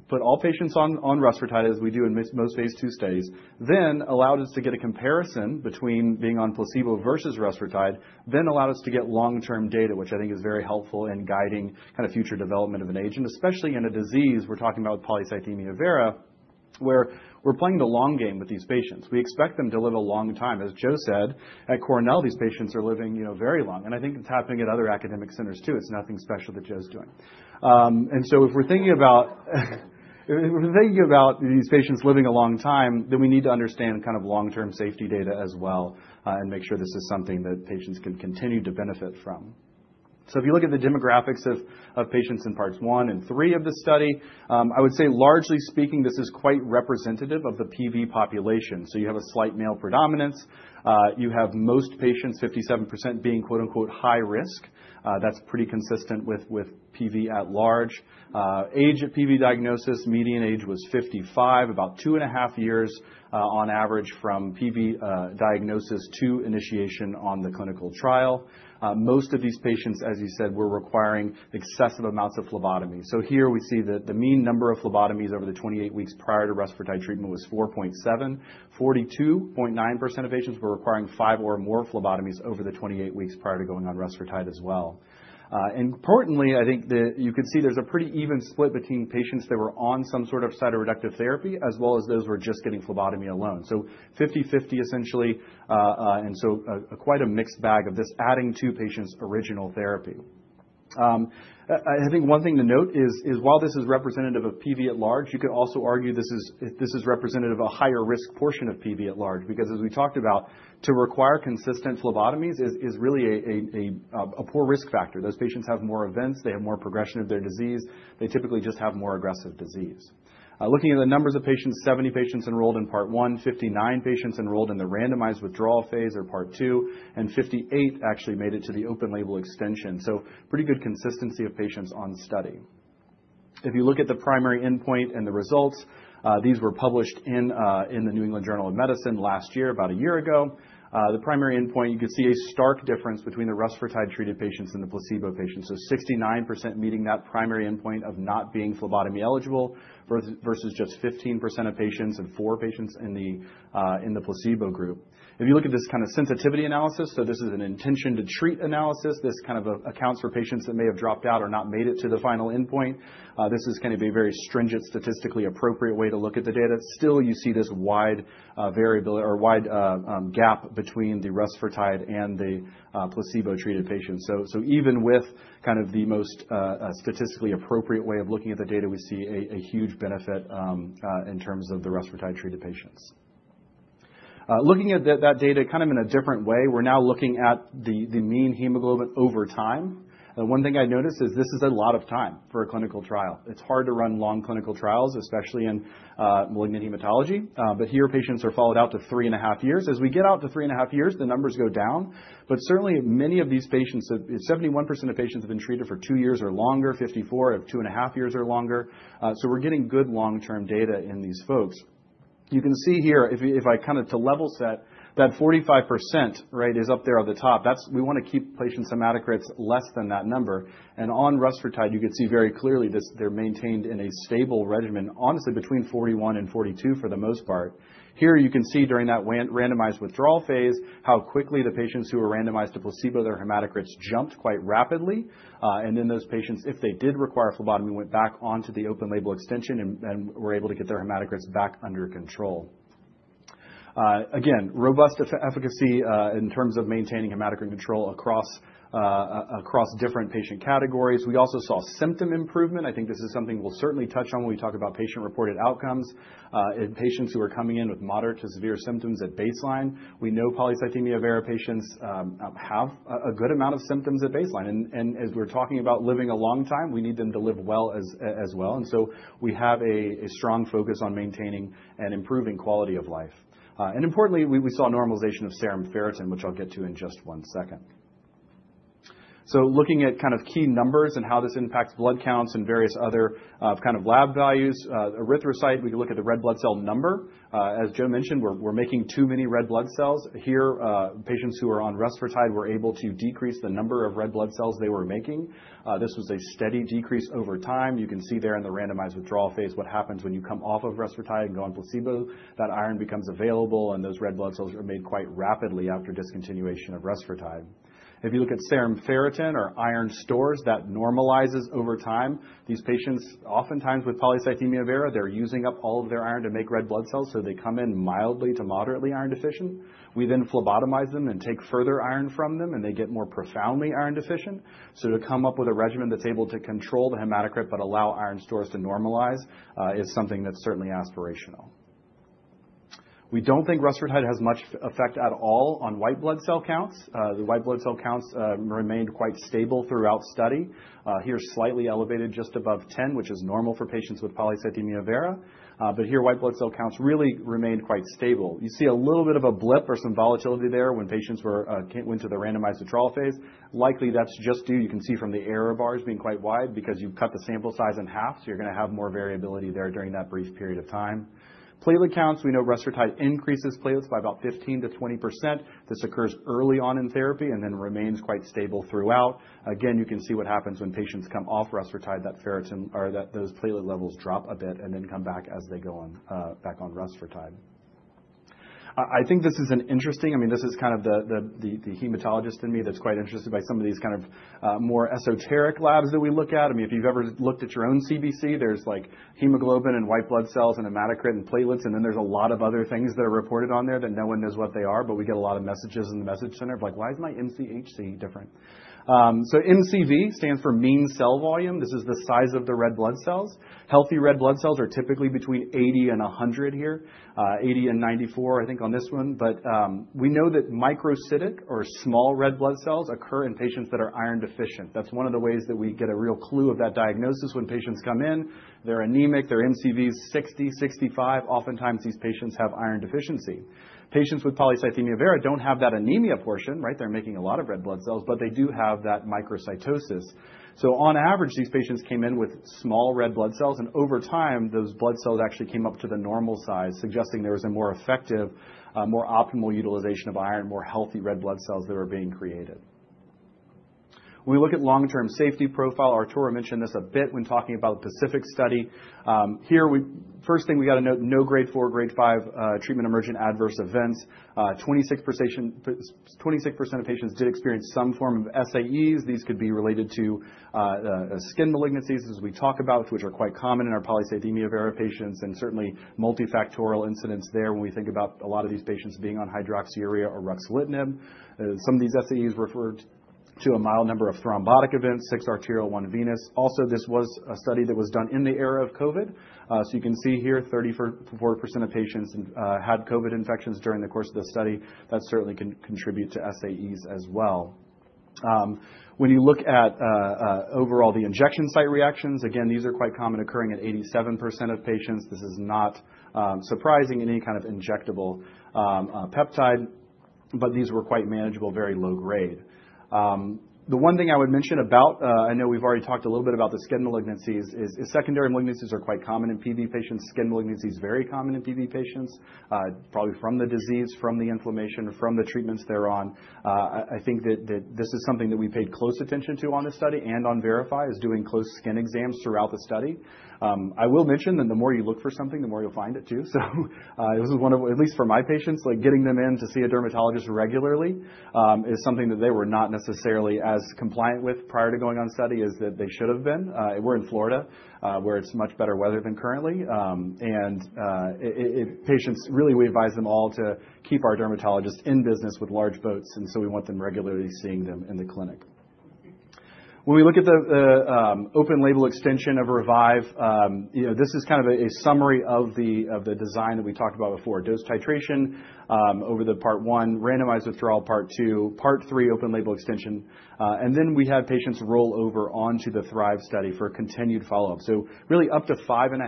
put all patients on rusfertide as we do in most phase II studies, then allowed us to get a comparison between being on placebo versus rusfertide, then allowed us to get long-term data, which I think is very helpful in guiding kind of future development of an agent, especially in a disease we're talking about with polycythemia vera, where we're playing the long game with these patients. We expect them to live a long time. As Joe said, at Cornell, these patients are living very long. And I think it's happening at other academic centers too. It's nothing special that Joe's doing. And so if we're thinking about these patients living a long time, then we need to understand kind of long-term safety data as well and make sure this is something that patients can continue to benefit from. If you look at the demographics of patients in parts one and three of the study, I would say, largely speaking, this is quite representative of the PV population. You have a slight male predominance. You have most patients, 57%, being "high risk." That's pretty consistent with PV at large. Age at PV diagnosis, median age was 55, about two and a half years on average from PV diagnosis to initiation on the clinical trial. Most of these patients, as you said, were requiring excessive amounts of phlebotomy. So here, we see that the mean number of phlebotomies over the 28 weeks prior to rusfertide treatment was 4.7. 42.9% of patients were requiring five or more phlebotomies over the 28 weeks prior to going on rusfertide as well. Importantly, I think that you could see there's a pretty even split between patients that were on some sort of cytoreductive therapy as well as those who were just getting phlebotomy alone. So 50/50, essentially. And so quite a mixed bag of this adding to patients' original therapy. I think one thing to note is while this is representative of PV at large, you could also argue this is representative of a higher-risk portion of PV at large because, as we talked about, to require consistent phlebotomies is really a poor risk factor. Those patients have more events. They have more progression of their disease. They typically just have more aggressive disease. Looking at the numbers of patients, 70 patients enrolled in part one, 59 patients enrolled in the randomized withdrawal phase or part two, and 58 actually made it to the open label extension. Pretty good consistency of patients on study. If you look at the primary endpoint and the results, these were published in the New England Journal of Medicine last year, about a year ago. The primary endpoint, you could see a stark difference between the rusfertide-treated patients and the placebo patients. 69% meeting that primary endpoint of not being phlebotomy eligible versus just 15% of patients and four patients in the placebo group. If you look at this kind of sensitivity analysis, so this is an intention-to-treat analysis. This kind of accounts for patients that may have dropped out or not made it to the final endpoint. This is going to be a very stringent, statistically appropriate way to look at the data. Still, you see this wide gap between the rusfertide and the placebo-treated patients. Even with kind of the most statistically appropriate way of looking at the data, we see a huge benefit in terms of the rusfertide-treated patients. Looking at that data kind of in a different way, we're now looking at the mean hemoglobin over time. One thing I noticed is this is a lot of time for a clinical trial. It's hard to run long clinical trials, especially in malignant hematology. But here, patients are followed out to three and a half years. As we get out to three and a half years, the numbers go down. But certainly, many of these patients, 71% of patients have been treated for two years or longer, 54% of two and a half years or longer. So we're getting good long-term data in these folks. You can see here, if I kind of to level set, that 45%, right, is up there at the top. We want to keep patients' hematocrits less than that number. And on rusfertide, you could see very clearly, they're maintained in a stable regimen, honestly, between 41% and 42% for the most part. Here, you can see during that randomized withdrawal phase how quickly the patients who were randomized to placebo, their hematocrits jumped quite rapidly. And then those patients, if they did require phlebotomy, went back onto the open label extension and were able to get their hematocrits back under control. Again, robust efficacy in terms of maintaining hematocrit control across different patient categories. We also saw symptom improvement. I think this is something we'll certainly touch on when we talk about patient-reported outcomes in patients who are coming in with moderate to severe symptoms at baseline. We know polycythemia vera patients have a good amount of symptoms at baseline. And as we're talking about living a long time, we need them to live well as well. And so we have a strong focus on maintaining and improving quality of life. And importantly, we saw normalization of serum ferritin, which I'll get to in just one second. So looking at kind of key numbers and how this impacts blood counts and various other kind of lab values, erythrocytes, we can look at the red blood cell number. As Joe mentioned, we're making too many red blood cells. Here, patients who are on rusfertide were able to decrease the number of red blood cells they were making. This was a steady decrease over time. You can see there in the randomized withdrawal phase what happens when you come off of rusfertide and go on placebo. That iron becomes available, and those red blood cells are made quite rapidly after discontinuation of rusfertide. If you look at serum ferritin or iron stores, that normalizes over time. These patients, oftentimes with polycythemia vera, they're using up all of their iron to make red blood cells, so they come in mildly to moderately iron deficient. We then phlebotomize them and take further iron from them, and they get more profoundly iron deficient. So to come up with a regimen that's able to control the hematocrit but allow iron stores to normalize is something that's certainly aspirational. We don't think rusfertide has much effect at all on white blood cell counts. The white blood cell counts remained quite stable throughout study. Here, slightly elevated just above 10, which is normal for patients with polycythemia vera. But here, white blood cell counts really remained quite stable. You see a little bit of a blip or some volatility there when patients went to the randomized withdrawal phase. Likely, that's just due, you can see from the error bars being quite wide because you've cut the sample size in half, so you're going to have more variability there during that brief period of time. Platelet counts, we know rusfertide increases platelets by about 15%-20%. This occurs early on in therapy and then remains quite stable throughout. Again, you can see what happens when patients come off rusfertide, that those platelet levels drop a bit and then come back as they go back on rusfertide. I think this is an interesting, I mean, this is kind of the hematologist in me that's quite interested by some of these kind of more esoteric labs that we look at. I mean, if you've ever looked at your own CBC, there's hemoglobin and white blood cells and hematocrit and platelets, and then there's a lot of other things that are reported on there that no one knows what they are. But we get a lot of messages in the message center of like, "Why is my MCHC different?" So MCV stands for mean cell volume. This is the size of the red blood cells. Healthy red blood cells are typically between 80 and 100 here, 80 and 94, I think, on this one. But we know that microcytic or small red blood cells occur in patients that are iron deficient. That's one of the ways that we get a real clue of that diagnosis when patients come in. They're anemic. Their MCV is 60, 65. Oftentimes, these patients have iron deficiency. Patients with polycythemia vera don't have that anemia portion, right? They're making a lot of red blood cells, but they do have that microcytosis. So on average, these patients came in with small red blood cells, and over time, those blood cells actually came up to the normal size, suggesting there was a more effective, more optimal utilization of iron, more healthy red blood cells that were being created. When we look at long-term safety profile, Arturo mentioned this a bit when talking about the PACIFIC study. Here, first thing we got to note, no Grade 4, Grade 5 treatment emergent adverse events. 26% of patients did experience some form of SAEs. These could be related to skin malignancies, as we talk about, which are quite common in our polycythemia vera patients, and certainly multifactorial incidences there when we think about a lot of these patients being on hydroxyurea or ruxolitinib. Some of these SAEs refer to a mild number of thrombotic events, six arterial, one venous. Also, this was a study that was done in the era of COVID. So you can see here, 34% of patients had COVID infections during the course of the study. That certainly can contribute to SAEs as well. When you look at overall the injection site reactions, again, these are quite common, occurring at 87% of patients. This is not surprising in any kind of injectable peptide, but these were quite manageable, very low-grade. The one thing I would mention about, I know we've already talked a little bit about the skin malignancies, is secondary malignancies are quite common in PV patients. Skin malignancies are very common in PV patients, probably from the disease, from the inflammation, from the treatments they're on. I think that this is something that we paid close attention to on the study, and on VERIFY is doing close skin exams throughout the study. I will mention that the more you look for something, the more you'll find it too. So this is one of, at least for my patients, getting them in to see a dermatologist regularly, is something that they were not necessarily as compliant with prior to going on study as they should have been. We're in Florida, where it's much better weather than currently. Patients, really, we advise them all to keep our dermatologists in business with large boats. So we want them regularly seeing them in the clinic. When we look at the open label extension of REVIVE, this is kind of a summary of the design that we talked about before: dose titration over the part one, randomized withdrawal part two, part three, open label extension. Then we have patients roll over onto the THRIVE study for continued follow-up. Really, up to 5.8,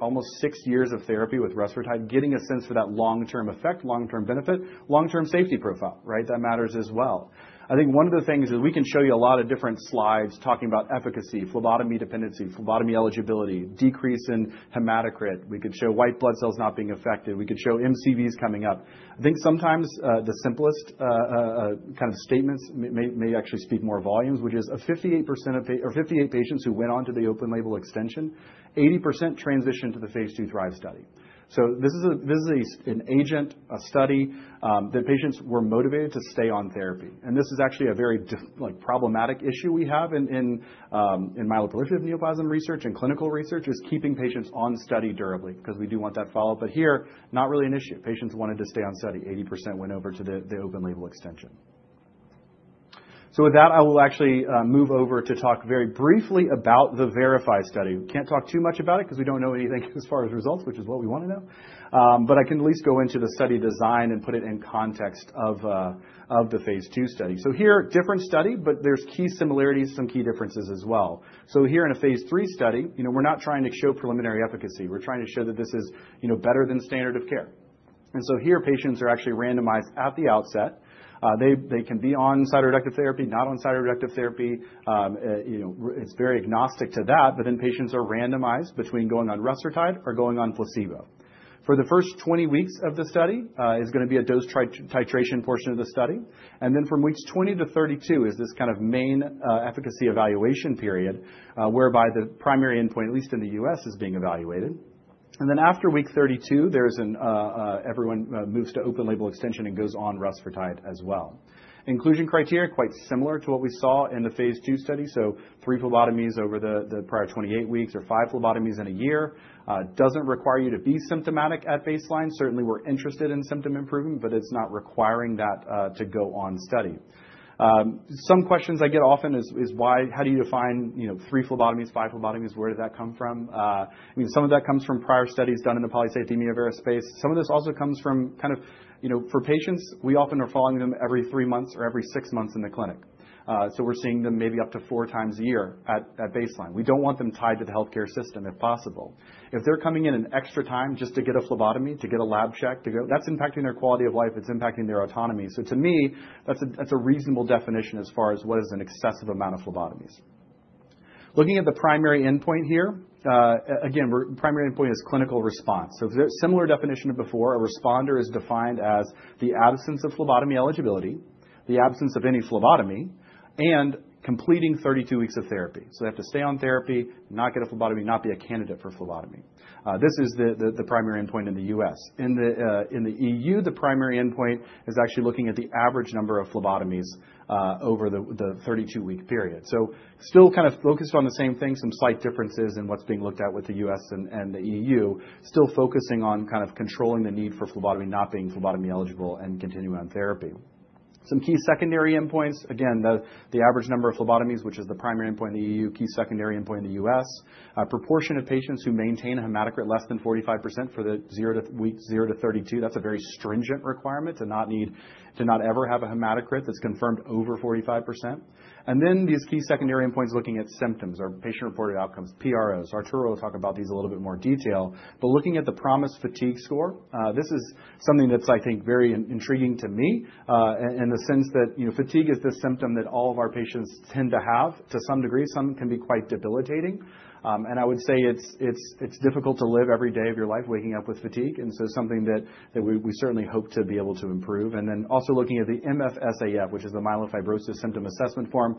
almost six years of therapy with rusfertide, getting a sense for that long-term effect, long-term benefit, long-term safety profile, right? That matters as well. I think one of the things is we can show you a lot of different slides talking about efficacy, phlebotomy dependency, phlebotomy eligibility, decrease in hematocrit. We could show white blood cells not being affected. We could show MCVs coming up. I think sometimes the simplest kind of statements may actually speak more volumes, which is 58% of patients who went on to the open-label extension, 80% transitioned to the phase II THRIVE study. So this is an agent, a study that patients were motivated to stay on therapy. And this is actually a very problematic issue we have in myeloproliferative neoplasm research and clinical research is keeping patients on study durably because we do want that follow-up. But here, not really an issue. Patients wanted to stay on study. 80% went over to the open-label extension. So with that, I will actually move over to talk very briefly about the VERIFY study. We can't talk too much about it because we don't know anything as far as results, which is what we want to know. But I can at least go into the study design and put it in context of the phase II study. So here, different study, but there's key similarities, some key differences as well. So here in a phase III study, we're not trying to show preliminary efficacy. We're trying to show that this is better than standard of care. And so here, patients are actually randomized at the outset. They can be on cytoreductive therapy, not on cytoreductive therapy. It's very agnostic to that. But then patients are randomized between going on rusfertide or going on placebo. For the first 20 weeks of the study, it's going to be a dose titration portion of the study. And then from weeks 20 to 32 is this kind of main efficacy evaluation period whereby the primary endpoint, at least in the U.S., is being evaluated. Then after week 32, everyone moves to open label extension and goes on rusfertide as well. Inclusion criteria are quite similar to what we saw in the phase II study. So three phlebotomies over the prior 28 weeks or five phlebotomies in a year doesn't require you to be symptomatic at baseline. Certainly, we're interested in symptom improvement, but it's not requiring that to go on study. Some questions I get often is, "How do you define three phlebotomies, five phlebotomies? Where did that come from?" I mean, some of that comes from prior studies done in the polycythemia vera space. Some of this also comes from kind of for patients, we often are following them every three months or every six months in the clinic. So we're seeing them maybe up to four times a year at baseline. We don't want them tied to the healthcare system if possible. If they're coming in an extra time just to get a phlebotomy, to get a lab check, that's impacting their quality of life. It's impacting their autonomy. So to me, that's a reasonable definition as far as what is an excessive amount of phlebotomies. Looking at the primary endpoint here, again, primary endpoint is clinical response. So similar definition of before, a responder is defined as the absence of phlebotomy eligibility, the absence of any phlebotomy, and completing 32 weeks of therapy. So they have to stay on therapy, not get a phlebotomy, not be a candidate for phlebotomy. This is the primary endpoint in the U.S. In the EU, the primary endpoint is actually looking at the average number of phlebotomies over the 32-week period. So, still kind of focused on the same thing, some slight differences in what's being looked at with the U.S. and the EU, still focusing on kind of controlling the need for phlebotomy, not being phlebotomy eligible, and continuing on therapy. Some key secondary endpoints, again, the average number of phlebotomies, which is the primary endpoint in the EU, key secondary endpoint in the U.S., proportion of patients who maintain a hematocrit less than 45% for the weeks 0 to 32. That's a very stringent requirement to not ever have a hematocrit that's confirmed over 45%. And then these key secondary endpoints looking at symptoms or patient-reported outcomes, PROs. Arturo will talk about these a little bit more detail. But looking at the PROMIS Fatigue Score, this is something that's, I think, very intriguing to me in the sense that fatigue is this symptom that all of our patients tend to have to some degree. Some can be quite debilitating. And I would say it's difficult to live every day of your life waking up with fatigue. And so something that we certainly hope to be able to improve. And then also looking at the MFSAF, which is the Myelofibrosis Symptom Assessment Form,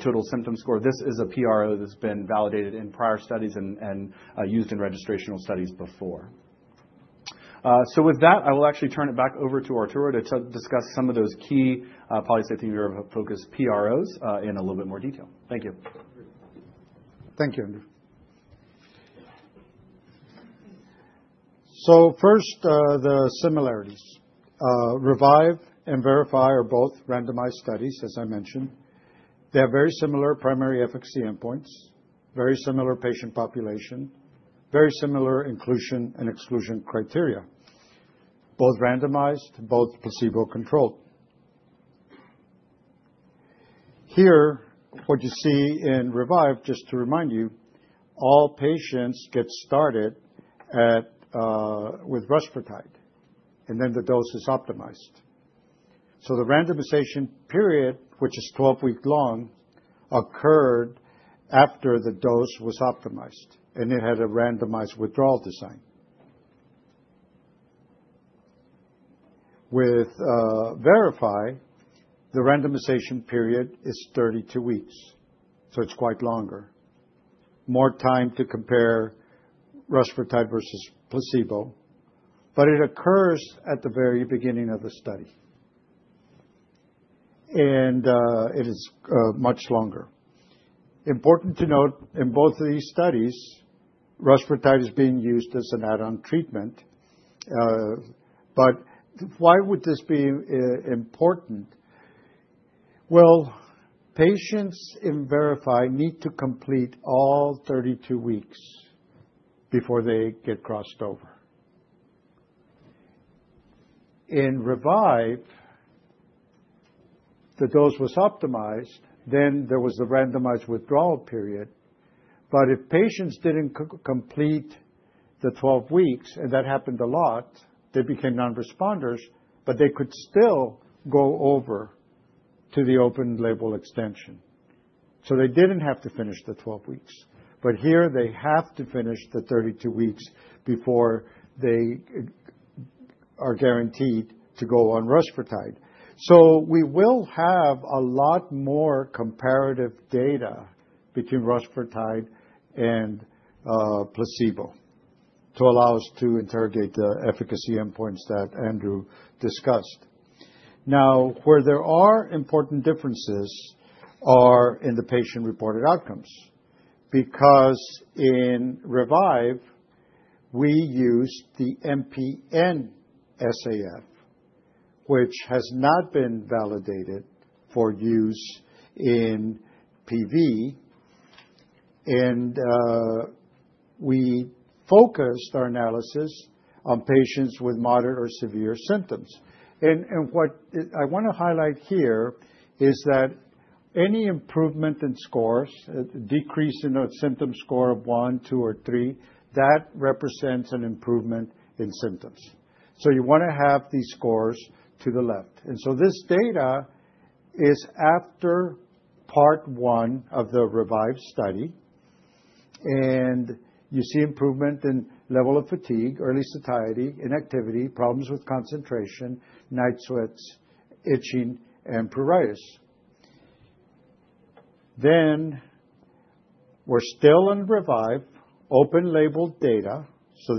total symptom score. This is a PRO that's been validated in prior studies and used in registrational studies before. So with that, I will actually turn it back over to Arturo to discuss some of those key polycythemia vera-focused PROs in a little bit more detail. Thank you. Thank you, Andrew. So first, the similarities. REVIVE and VERIFY are both randomized studies, as I mentioned. They have very similar primary efficacy endpoints, very similar patient population, very similar inclusion and exclusion criteria, both randomized, both placebo-controlled. Here, what you see in REVIVE, just to remind you, all patients get started with rusfertide, and then the dose is optimized. So the randomization period, which is 12 weeks long, occurred after the dose was optimized, and it had a randomized withdrawal design. With VERIFY, the randomization period is 32 weeks. So it's quite longer, more time to compare rusfertide versus placebo. But it occurs at the very beginning of the study, and it is much longer. Important to note, in both of these studies, rusfertide is being used as an add-on treatment. But why would this be important? Patients in VERIFY need to complete all 32 weeks before they get crossed over. In REVIVE, the dose was optimized, then there was the randomized withdrawal period, but if patients didn't complete the 12 weeks, and that happened a lot, they became non-responders, but they could still go over to the open label extension, so they didn't have to finish the 12 weeks, but here, they have to finish the 32 weeks before they are guaranteed to go on rusfertide. So we will have a lot more comparative data between rusfertide and placebo to allow us to interrogate the efficacy endpoints that Andrew discussed. Now, where there are important differences are in the patient-reported outcomes because in REVIVE, we used the MPN-SAF, which has not been validated for use in PV, and we focused our analysis on patients with moderate or severe symptoms. What I want to highlight here is that any improvement in scores, a decrease in a symptom score of one, two, or three, that represents an improvement in symptoms. So you want to have these scores to the left. And so this data is after part one of the REVIVE study. And you see improvement in level of fatigue, early satiety, inactivity, problems with concentration, night sweats, itching, and pruritus. Then we're still in REVIVE, open label data. So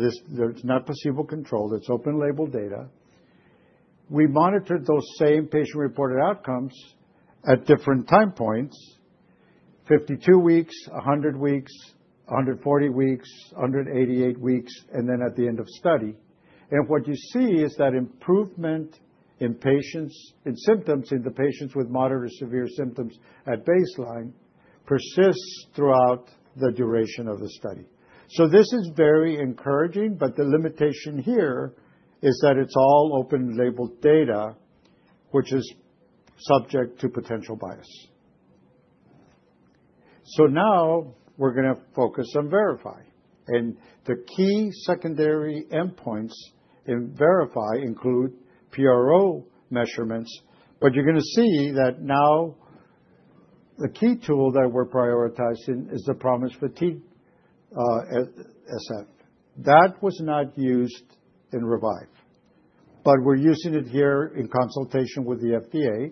it's not placebo-controlled. It's open label data. We monitored those same patient-reported outcomes at different time points: 52 weeks, 100 weeks, 140 weeks, 188 weeks, and then at the end of study. And what you see is that improvement in symptoms in the patients with moderate or severe symptoms at baseline persists throughout the duration of the study. So this is very encouraging but the limitation here is that it's all open label data, which is subject to potential bias. Now we're going to focus on VERIFY. The key secondary endpoints in VERIFY include PRO measurements. You're going to see that now the key tool that we're prioritizing is the PROMIS Fatigue SF that was not used in REVIVE. We're using it here in consultation with the FDA.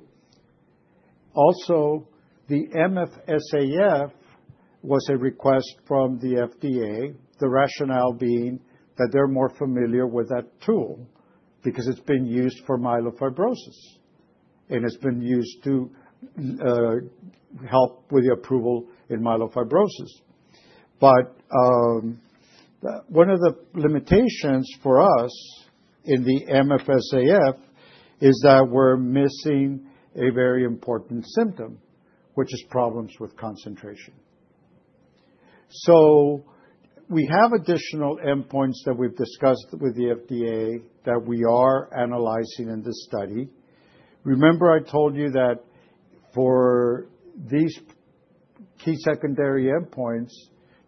Also, the MFSAF was a request from the FDA, the rationale being that they're more familiar with that tool because it's been used for myelofibrosis, and it's been used to help with the approval in myelofibrosis. One of the limitations for us in the MFSAF is that we're missing a very important symptom, which is problems with concentration. We have additional endpoints that we've discussed with the FDA that we are analyzing in this study. Remember, I told you that for these key secondary endpoints,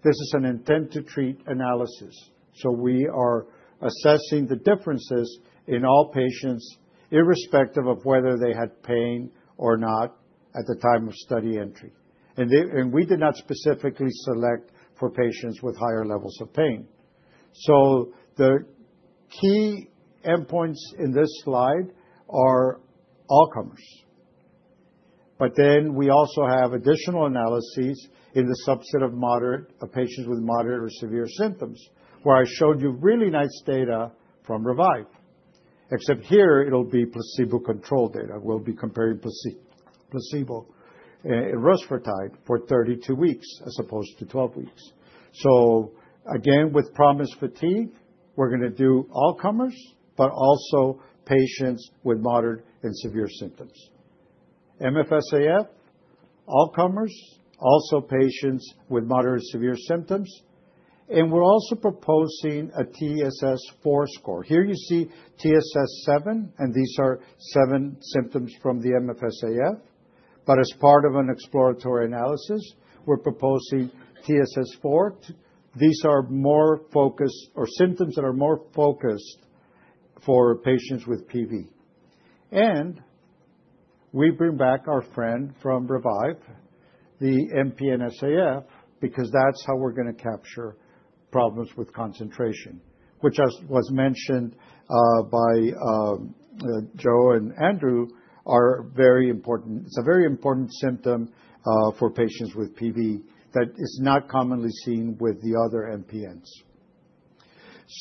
this is an intent-to-treat analysis, so we are assessing the differences in all patients irrespective of whether they had pain or not at the time of study entry, and we did not specifically select for patients with higher levels of pain, so the key endpoints in this slide are all-comers, but then we also have additional analyses in the subset of patients with moderate or severe symptoms where I showed you really nice data from REVIVE. Except here, it'll be placebo-controlled data. We'll be comparing placebo and rusfertide for 32 weeks as opposed to 12 weeks. So again, with PROMIS Fatigue, we're going to do all-comers, but also patients with moderate and severe symptoms. MFSAF, all-comers, also patients with moderate or severe symptoms. And we're also proposing a TSS-4 score. Here you see TSS-7, and these are seven symptoms from the MFSAF. But as part of an exploratory analysis, we're proposing TSS-4. These are more focused or symptoms that are more focused for patients with PV. And we bring back our friend from REVIVE, the MPN-SAF, because that's how we're going to capture problems with concentration, which, as was mentioned by Joe and Andrew, are very important. It's a very important symptom for patients with PV that is not commonly seen with the other MPNs.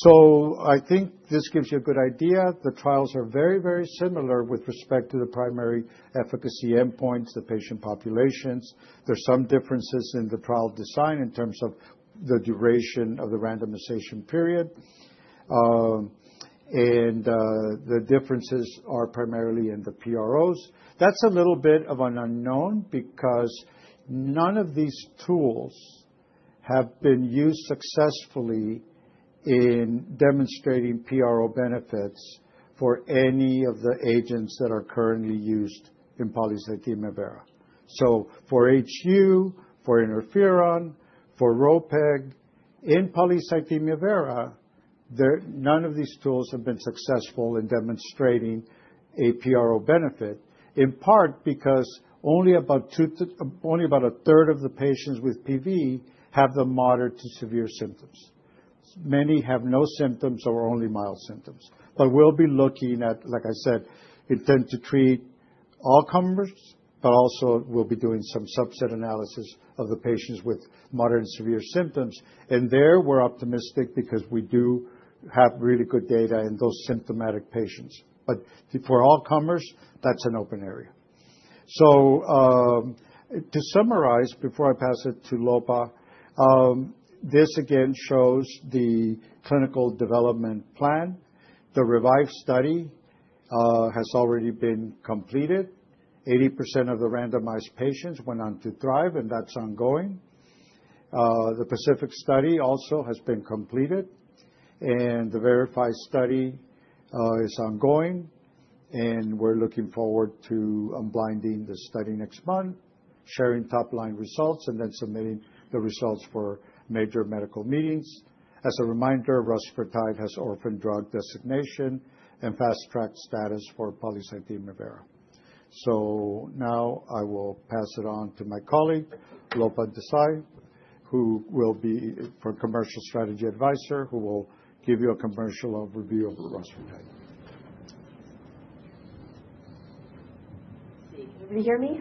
So I think this gives you a good idea. The trials are very, very similar with respect to the primary efficacy endpoints, the patient populations. There are some differences in the trial design in terms of the duration of the randomization period. And the differences are primarily in the PROs. That's a little bit of an unknown because none of these tools have been used successfully in demonstrating PRO benefits for any of the agents that are currently used in polycythemia vera. So for HU, for interferon, for ropeg, in polycythemia vera, none of these tools have been successful in demonstrating a PRO benefit, in part because only about a third of the patients with PV have the moderate to severe symptoms. Many have no symptoms or only mild symptoms. But we'll be looking at, like I said, intent-to-treat all-comers, but also we'll be doing some subset analysis of the patients with moderate and severe symptoms. And there, we're optimistic because we do have really good data in those symptomatic patients. But for all-comers, that's an open area. So to summarize before I pass it to Lopa, this again shows the clinical development plan. The REVIVE study has already been completed. 80% of the randomized patients went on to THRIVE, and that's ongoing. The PACIFIC study also has been completed. The VERIFY study is ongoing. We're looking forward to unblinding the study next month, sharing top-line results, and then submitting the results for major medical meetings. As a reminder, rusfertide has orphan drug designation and fast-track status for polycythemia vera. Now I will pass it on to my colleague, Lopa Desai, who will be our Commercial Strategy Advisor, who will give you a commercial overview of rusfertide. Can everybody hear me?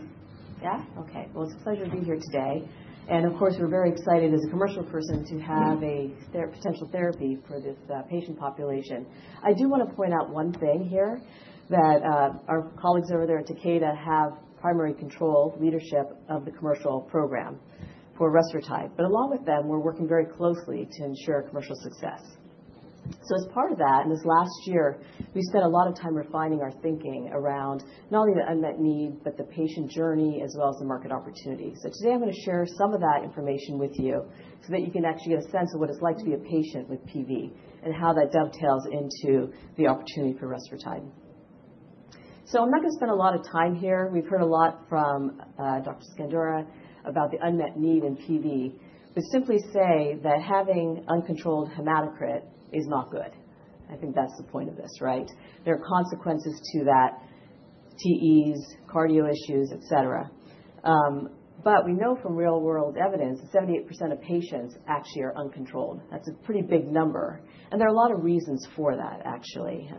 Yeah? Okay. Well, it's a pleasure to be here today. And of course, we're very excited as a commercial person to have a potential therapy for this patient population. I do want to point out one thing here that our colleagues over there at Takeda have primary control leadership of the commercial program for rusfertide. But along with them, we're working very closely to ensure commercial success. So as part of that, in this last year, we spent a lot of time refining our thinking around not only the unmet need, but the patient journey as well as the market opportunity. So today, I'm going to share some of that information with you so that you can actually get a sense of what it's like to be a patient with PV and how that dovetails into the opportunity for rusfertide. So I'm not going to spend a lot of time here. We've heard a lot from Dr. Scandura about the unmet need in PV. We simply say that having uncontrolled hematocrit is not good. I think that's the point of this, right? There are consequences to that: TEs, cardio issues, etc. But we know from real-world evidence that 78% of patients actually are uncontrolled. That's a pretty big number. And there are a lot of reasons for that, actually.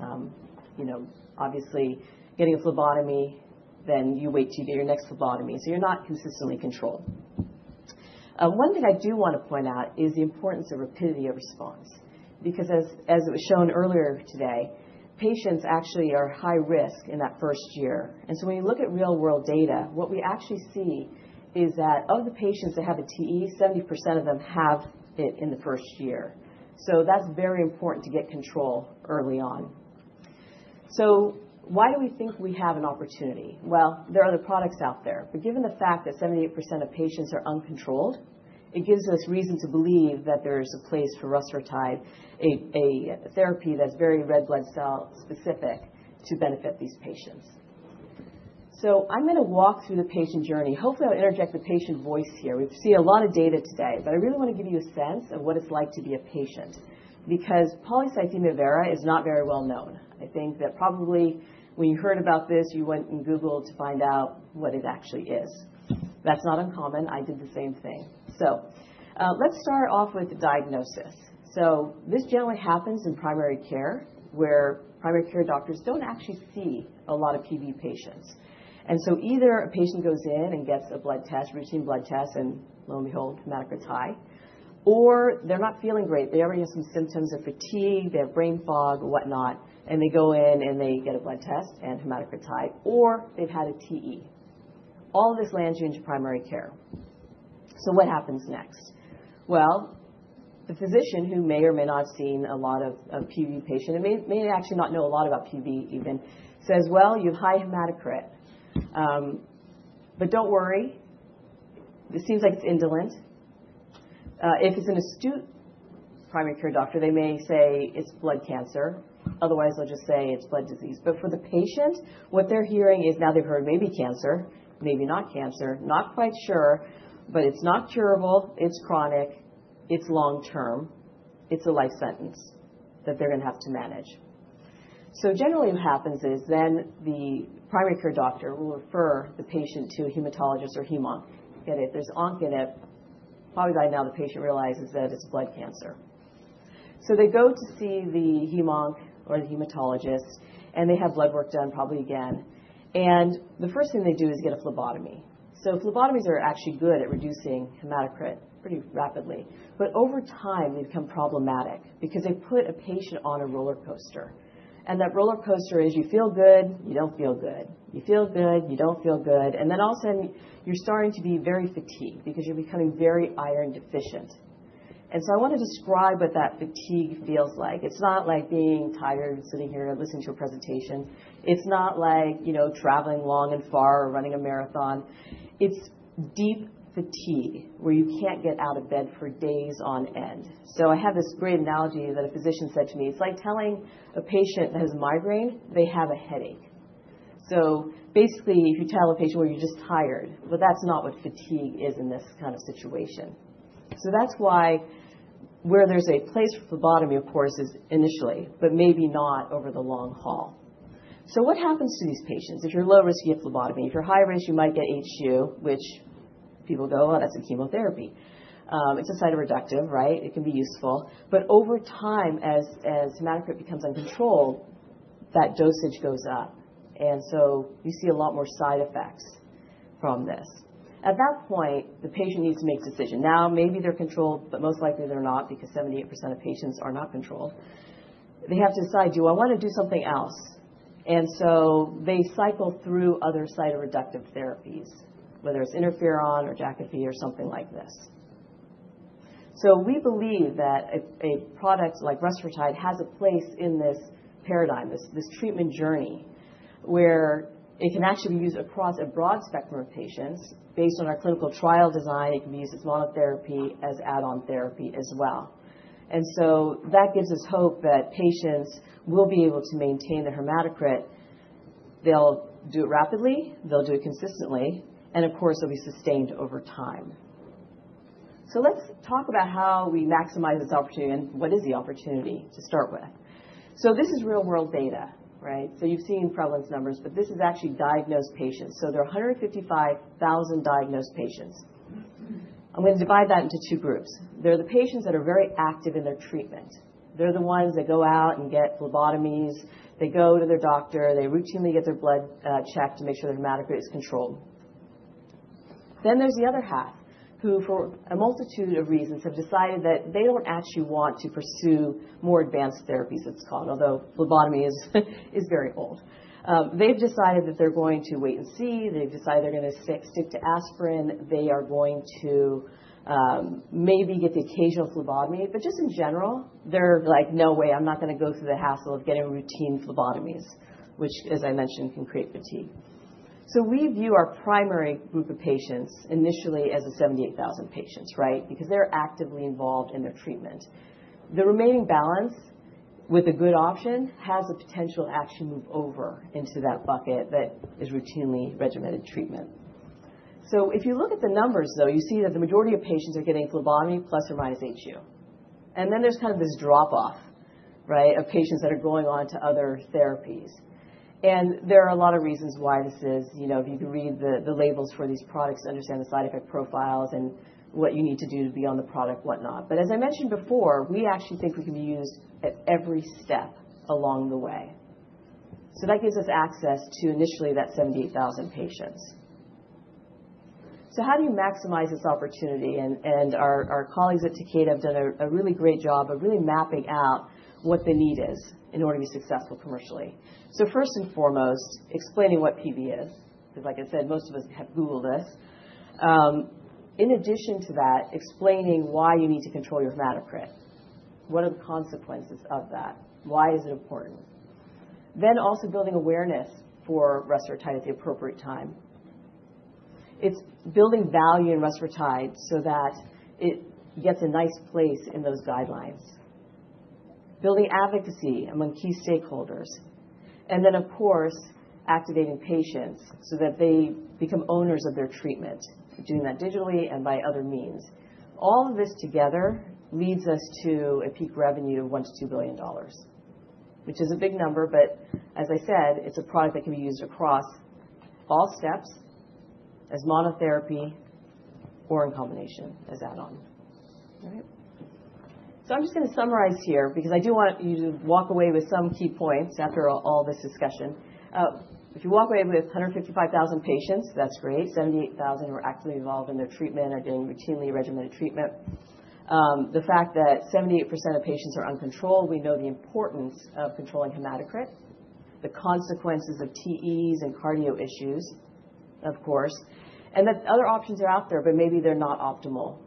Obviously, getting a phlebotomy, then you wait to get your next phlebotomy. So you're not consistently controlled. One thing I do want to point out is the importance of rapidity of response because, as it was shown earlier today, patients actually are high risk in that first year. When you look at real-world data, what we actually see is that of the patients that have a TE, 70% of them have it in the first year. That's very important to get control early on. Why do we think we have an opportunity? There are other products out there. Given the fact that 78% of patients are uncontrolled, it gives us reason to believe that there is a place for rusfertide, a therapy that's very red blood cell specific to benefit these patients. I'm going to walk through the patient journey. Hopefully, I'll interject the patient voice here. We see a lot of data today. I really want to give you a sense of what it's like to be a patient because polycythemia vera is not very well known. I think that probably when you heard about this, you went and Googled to find out what it actually is. That's not uncommon. I did the same thing. So let's start off with the diagnosis. So this generally happens in primary care where primary care doctors don't actually see a lot of PV patients. And so either a patient goes in and gets a blood test, routine blood test, and lo and behold, hematocrit high, or they're not feeling great. They already have some symptoms of fatigue. They have brain fog, whatnot. And they go in and they get a blood test and hematocrit high, or they've had a TE. All of this lands you into primary care. So what happens next? The physician who may or may not have seen a lot of PV patients and may actually not know a lot about PV even says, "Well, you have high hematocrit. But don't worry. This seems like it's indolent." If it's an astute primary care doctor, they may say it's blood cancer. Otherwise, they'll just say it's blood disease. But for the patient, what they're hearing is now they've heard maybe cancer, maybe not cancer, not quite sure, but it's not curable, it's chronic, it's long-term, it's a life sentence that they're going to have to manage. So generally, what happens is then the primary care doctor will refer the patient to a hematologist or Hem/Onc, get it. There's onc in it. Probably by now the patient realizes that it's blood cancer. So they go to see the Hem/Onc or the hematologist, and they have blood work done probably again. The first thing they do is get a phlebotomy. Phlebotomies are actually good at reducing hematocrit pretty rapidly. But over time, they become problematic because they put a patient on a roller coaster. That roller coaster is you feel good, you don't feel good. You feel good, you don't feel good. Then all of a sudden, you're starting to be very fatigued because you're becoming very iron deficient. I want to describe what that fatigue feels like. It's not like being tired and sitting here listening to a presentation. It's not like traveling long and far or running a marathon. It's deep fatigue where you can't get out of bed for days on end. I have this great analogy that a physician said to me. It's like telling a patient that has a migraine they have a headache. Basically, if you tell a patient you're just tired, well, that's not what fatigue is in this kind of situation. That's why there's a place for phlebotomy, of course, initially, but maybe not over the long haul. What happens to these patients? If you're low risk, you get phlebotomy. If you're high risk, you might get HU, which people go, "Oh, that's a chemotherapy." It's a cytoreductive, right? It can be useful. But over time, as hematocrit becomes uncontrolled, that dosage goes up. And so you see a lot more side effects from this. At that point, the patient needs to make a decision. Now, maybe they're controlled, but most likely they're not because 78% of patients are not controlled. They have to decide, "Do I want to do something else?" And so they cycle through other cytoreductive therapies, whether it's interferon or Jakafi or something like this. So we believe that a product like rusfertide has a place in this paradigm, this treatment journey, where it can actually be used across a broad spectrum of patients based on our clinical trial design. It can be used as monotherapy, as add-on therapy as well. And so that gives us hope that patients will be able to maintain their hematocrit. They'll do it rapidly. They'll do it consistently. And of course, it'll be sustained over time. So let's talk about how we maximize this opportunity and what is the opportunity to start with. So this is real-world data, right? So you've seen prevalence numbers, but this is actually diagnosed patients. So there are 155,000 diagnosed patients. I'm going to divide that into two groups. There are the patients that are very active in their treatment. They're the ones that go out and get phlebotomies. They go to their doctor. They routinely get their blood checked to make sure their hematocrit is controlled. Then there's the other half who, for a multitude of reasons, have decided that they don't actually want to pursue more advanced therapies, it's called, although phlebotomy is very old. They've decided that they're going to wait and see. They've decided they're going to stick to aspirin. They are going to maybe get the occasional phlebotomy. But just in general, they're like, "No way. I'm not going to go through the hassle of getting routine phlebotomies," which, as I mentioned, can create fatigue. So we view our primary group of patients initially as the 78,000 patients, right, because they're actively involved in their treatment. The remaining balance with a good option has the potential to actually move over into that bucket that is routinely regimented treatment. So if you look at the numbers, though, you see that the majority of patients are getting phlebotomy plus or minus HU. And then there's kind of this drop-off, right, of patients that are going on to other therapies. And there are a lot of reasons why this is. If you can read the labels for these products to understand the side effect profiles and what you need to do to be on the product, whatnot. But as I mentioned before, we actually think we can be used at every step along the way. So that gives us access to initially that 78,000 patients. So how do you maximize this opportunity? Our colleagues at Takeda have done a really great job of really mapping out what the need is in order to be successful commercially. So first and foremost, explaining what PV is because, like I said, most of us have Googled this. In addition to that, explaining why you need to control your hematocrit. What are the consequences of that? Why is it important? Then also building awareness for rusfertide at the appropriate time. It's building value in rusfertide so that it gets a nice place in those guidelines, building advocacy among key stakeholders. And then, of course, activating patients so that they become owners of their treatment, doing that digitally and by other means. All of this together leads us to a peak revenue of $1-$2 billion, which is a big number. But as I said, it's a product that can be used across all steps, as monotherapy or in combination as add-on. All right? So I'm just going to summarize here because I do want you to walk away with some key points after all this discussion. If you walk away with 155,000 patients, that's great. 78,000 who are actively involved in their treatment are getting routinely regimented treatment. The fact that 78% of patients are uncontrolled, we know the importance of controlling hematocrit, the consequences of TEs and cardio issues, of course, and that other options are out there, but maybe they're not optimal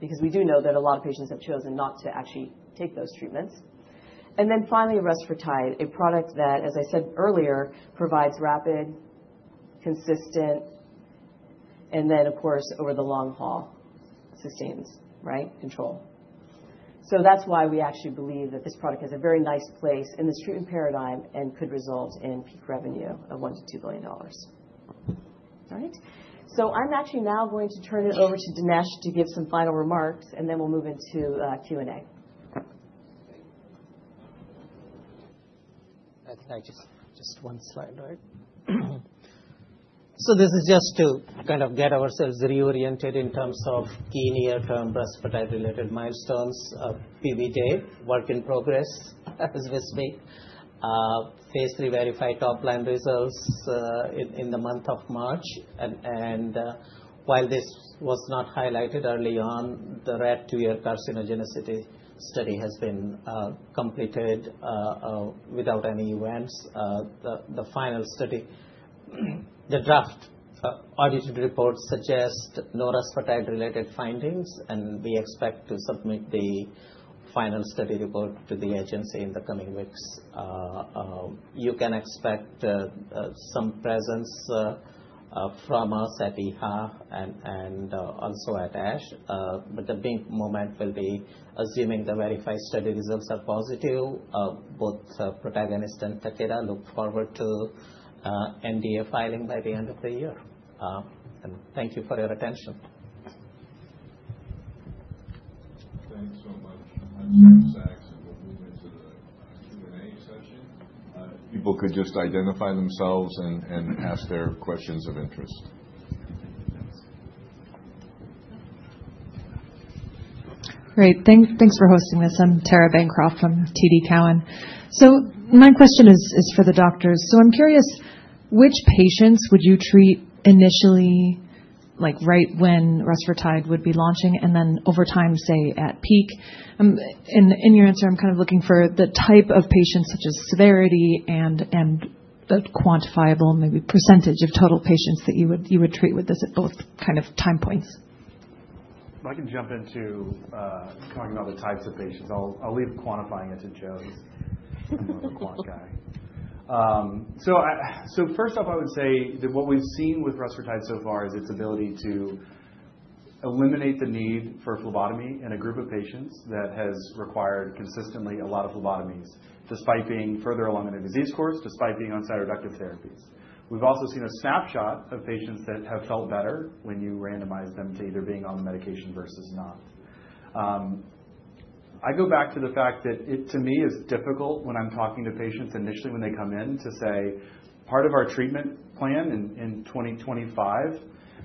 because we do know that a lot of patients have chosen not to actually take those treatments. And then finally, rusfertide, a product that, as I said earlier, provides rapid, consistent, and then, of course, over the long haul, sustains, right, control. So that's why we actually believe that this product has a very nice place in this treatment paradigm and could result in peak revenue of $1-$2 billion. All right? So I'm actually now going to turn it over to Dinesh to give some final remarks, and then we'll move into Q&A. Can I just one slide? So this is just to kind of get ourselves reoriented in terms of key near-term rusfertide-related milestones of PV Day. Work in progress as we speak. Phase III VERIFY top-line results in the month of March. And while this was not highlighted early on, the rat two-year carcinogenicity study has been completed without any events. The final study report, the draft audited report suggests no rusfertide-related findings, and we expect to submit the final study report to the agency in the coming weeks. You can expect some presence from us at EHA and also at ASH, but the big moment will be assuming the VERIFY study results are positive. Both Protagonist and Takeda look forward to NDA filing by the end of the year. And thank you for your attention. Thanks so much. I'm Samuel Saks, and we'll move into the Q&A session. People could just identify themselves and ask their questions of interest. Great. Thanks for hosting this. I'm Tara Bancroft from TD Cowen. So my question is for the doctors. So I'm curious, which patients would you treat initially, right when rusfertide would be launching and then over time, say, at peak? In your answer, I'm kind of looking for the type of patients such as severity and the quantifiable, maybe percentage of total patients that you would treat with this at both kind of time points. I can jump into talking about the types of patients. I'll leave quantifying it to Joe. I'm not the quant guy. So first off, I would say that what we've seen with rusfertide so far is its ability to eliminate the need for phlebotomy in a group of patients that has required consistently a lot of phlebotomies, despite being further along in their disease course, despite being on cytoreductive therapies. We've also seen a snapshot of patients that have felt better when you randomize them to either being on the medication versus not. I go back to the fact that it, to me, is difficult when I'm talking to patients initially when they come in to say, "Part of our treatment plan in 2025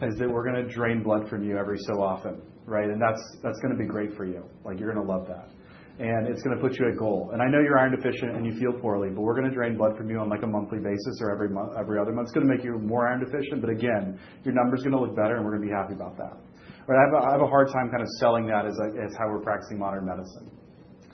is that we're going to drain blood from you every so often," right? And that's going to be great for you. You're going to love that. It's going to put you at goal. I know you're iron deficient and you feel poorly, but we're going to drain blood from you on a monthly basis or every other month. It's going to make you more iron deficient, but again, your number's going to look better, and we're going to be happy about that. I have a hard time kind of selling that as how we're practicing modern medicine.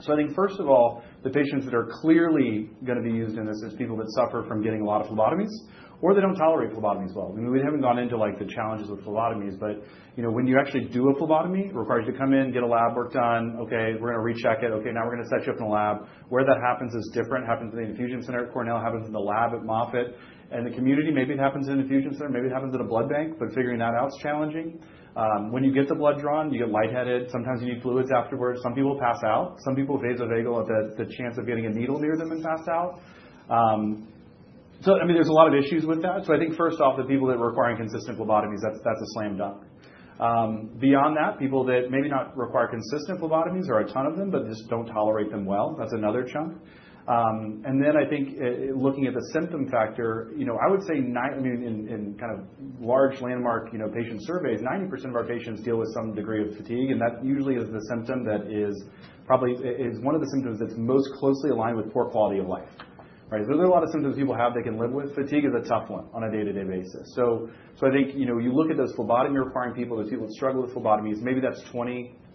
I think, first of all, the patients that are clearly going to be used in this are people that suffer from getting a lot of phlebotomies, or they don't tolerate phlebotomies well. We haven't gone into the challenges with phlebotomies, but when you actually do a phlebotomy, it requires you to come in, get a lab work done. Okay, we're going to recheck it. Okay, now we're going to set you up in the lab. Where that happens is different. It happens in the infusion center at Cornell, happens in the lab at Moffitt, and the community. Maybe it happens in an infusion center. Maybe it happens at a blood bank, but figuring that out is challenging. When you get the blood drawn, you get lightheaded. Sometimes you need fluids afterwards. Some people pass out. Some people vasovagal at the chance of getting a needle near them and pass out. So I mean, there's a lot of issues with that. So I think, first off, the people that require consistent phlebotomies, that's a slam dunk. Beyond that, people that maybe not require consistent phlebotomies or a ton of them, but just don't tolerate them well, that's another chunk. I think looking at the symptom factor, I would say, I mean, in kind of large landmark patient surveys, 90% of our patients deal with some degree of fatigue, and that usually is the symptom that is probably one of the symptoms that's most closely aligned with poor quality of life, Right? So there are a lot of symptoms people have they can live with. Fatigue is a tough one on a day-to-day basis. So I think you look at those phlebotomy-requiring people, those people that struggle with phlebotomies, maybe that's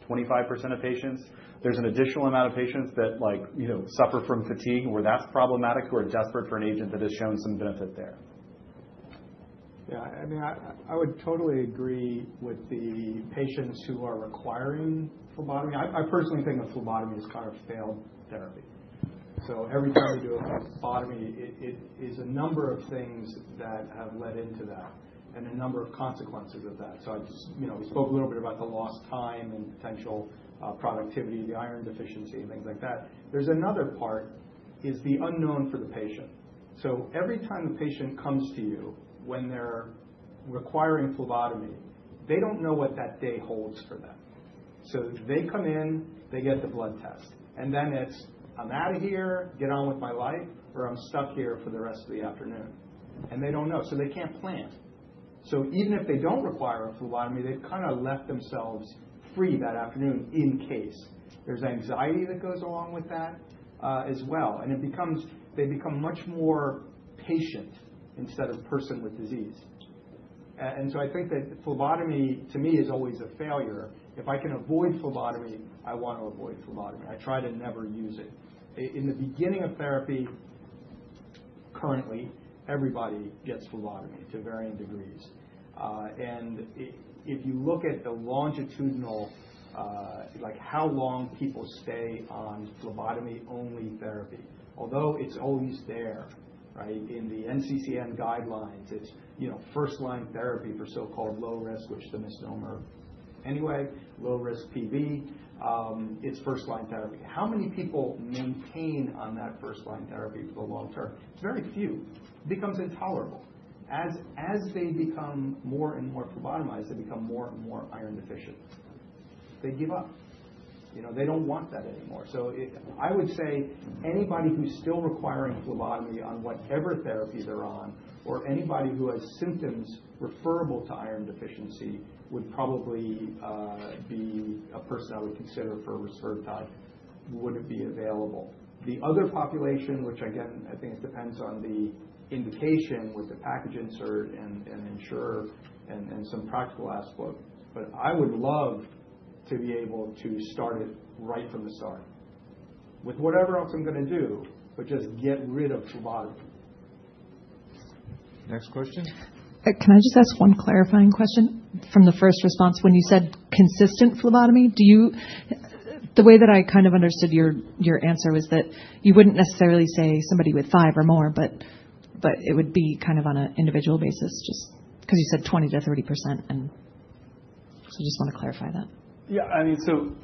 20-25% of patients. There's an additional amount of patients that suffer from fatigue where that's problematic, who are desperate for an agent that has shown some benefit there. Yeah. I mean, I would totally agree with the patients who are requiring phlebotomy. I personally think of phlebotomy as kind of failed therapy. So every time you do a phlebotomy, it is a number of things that have led into that and a number of consequences of that. So we spoke a little bit about the lost time and potential productivity, the iron deficiency, and things like that. There's another part is the unknown for the patient. So every time the patient comes to you when they're requiring phlebotomy, they don't know what that day holds for them. So they come in, they get the blood test, and then it's, "I'm out of here. Get on with my life," or, "I'm stuck here for the rest of the afternoon," and they don't know, so they can't plan. So even if they don't require a phlebotomy, they've kind of left themselves free that afternoon in case. There's anxiety that goes along with that as well. And they become much more patient instead of a person with disease. And so I think that phlebotomy, to me, is always a failure. If I can avoid phlebotomy, I want to avoid phlebotomy. I try to never use it. In the beginning of therapy, currently, everybody gets phlebotomy to varying degrees. And if you look at the longitudinal, how long people stay on phlebotomy-only therapy, although it's always there, right? In the NCCN guidelines, it's first-line therapy for so-called low-risk, which the misnomer anyway, low-risk PV. It's first-line therapy. How many people maintain on that first-line therapy for the long term? It's very few. It becomes intolerable. As they become more and more phlebotomized, they become more and more iron deficient. They give up. They don't want that anymore. So I would say anybody who's still requiring phlebotomy on whatever therapy they're on or anybody who has symptoms referable to iron deficiency would probably be a person I would consider for rusfertide, wouldn't be available. The other population, which again, I think it depends on the indication with the package insert and insurer and some practical aspect, but I would love to be able to start it right from the start with whatever else I'm going to do, but just get rid of phlebotomy. Next question. Can I just ask one clarifying question from the first response? When you said consistent phlebotomy, the way that I kind of understood your answer was that you wouldn't necessarily say somebody with five or more, but it would be kind of on an individual basis just because you said 20%-30%. And so I just want to clarify that. Yeah. I mean, so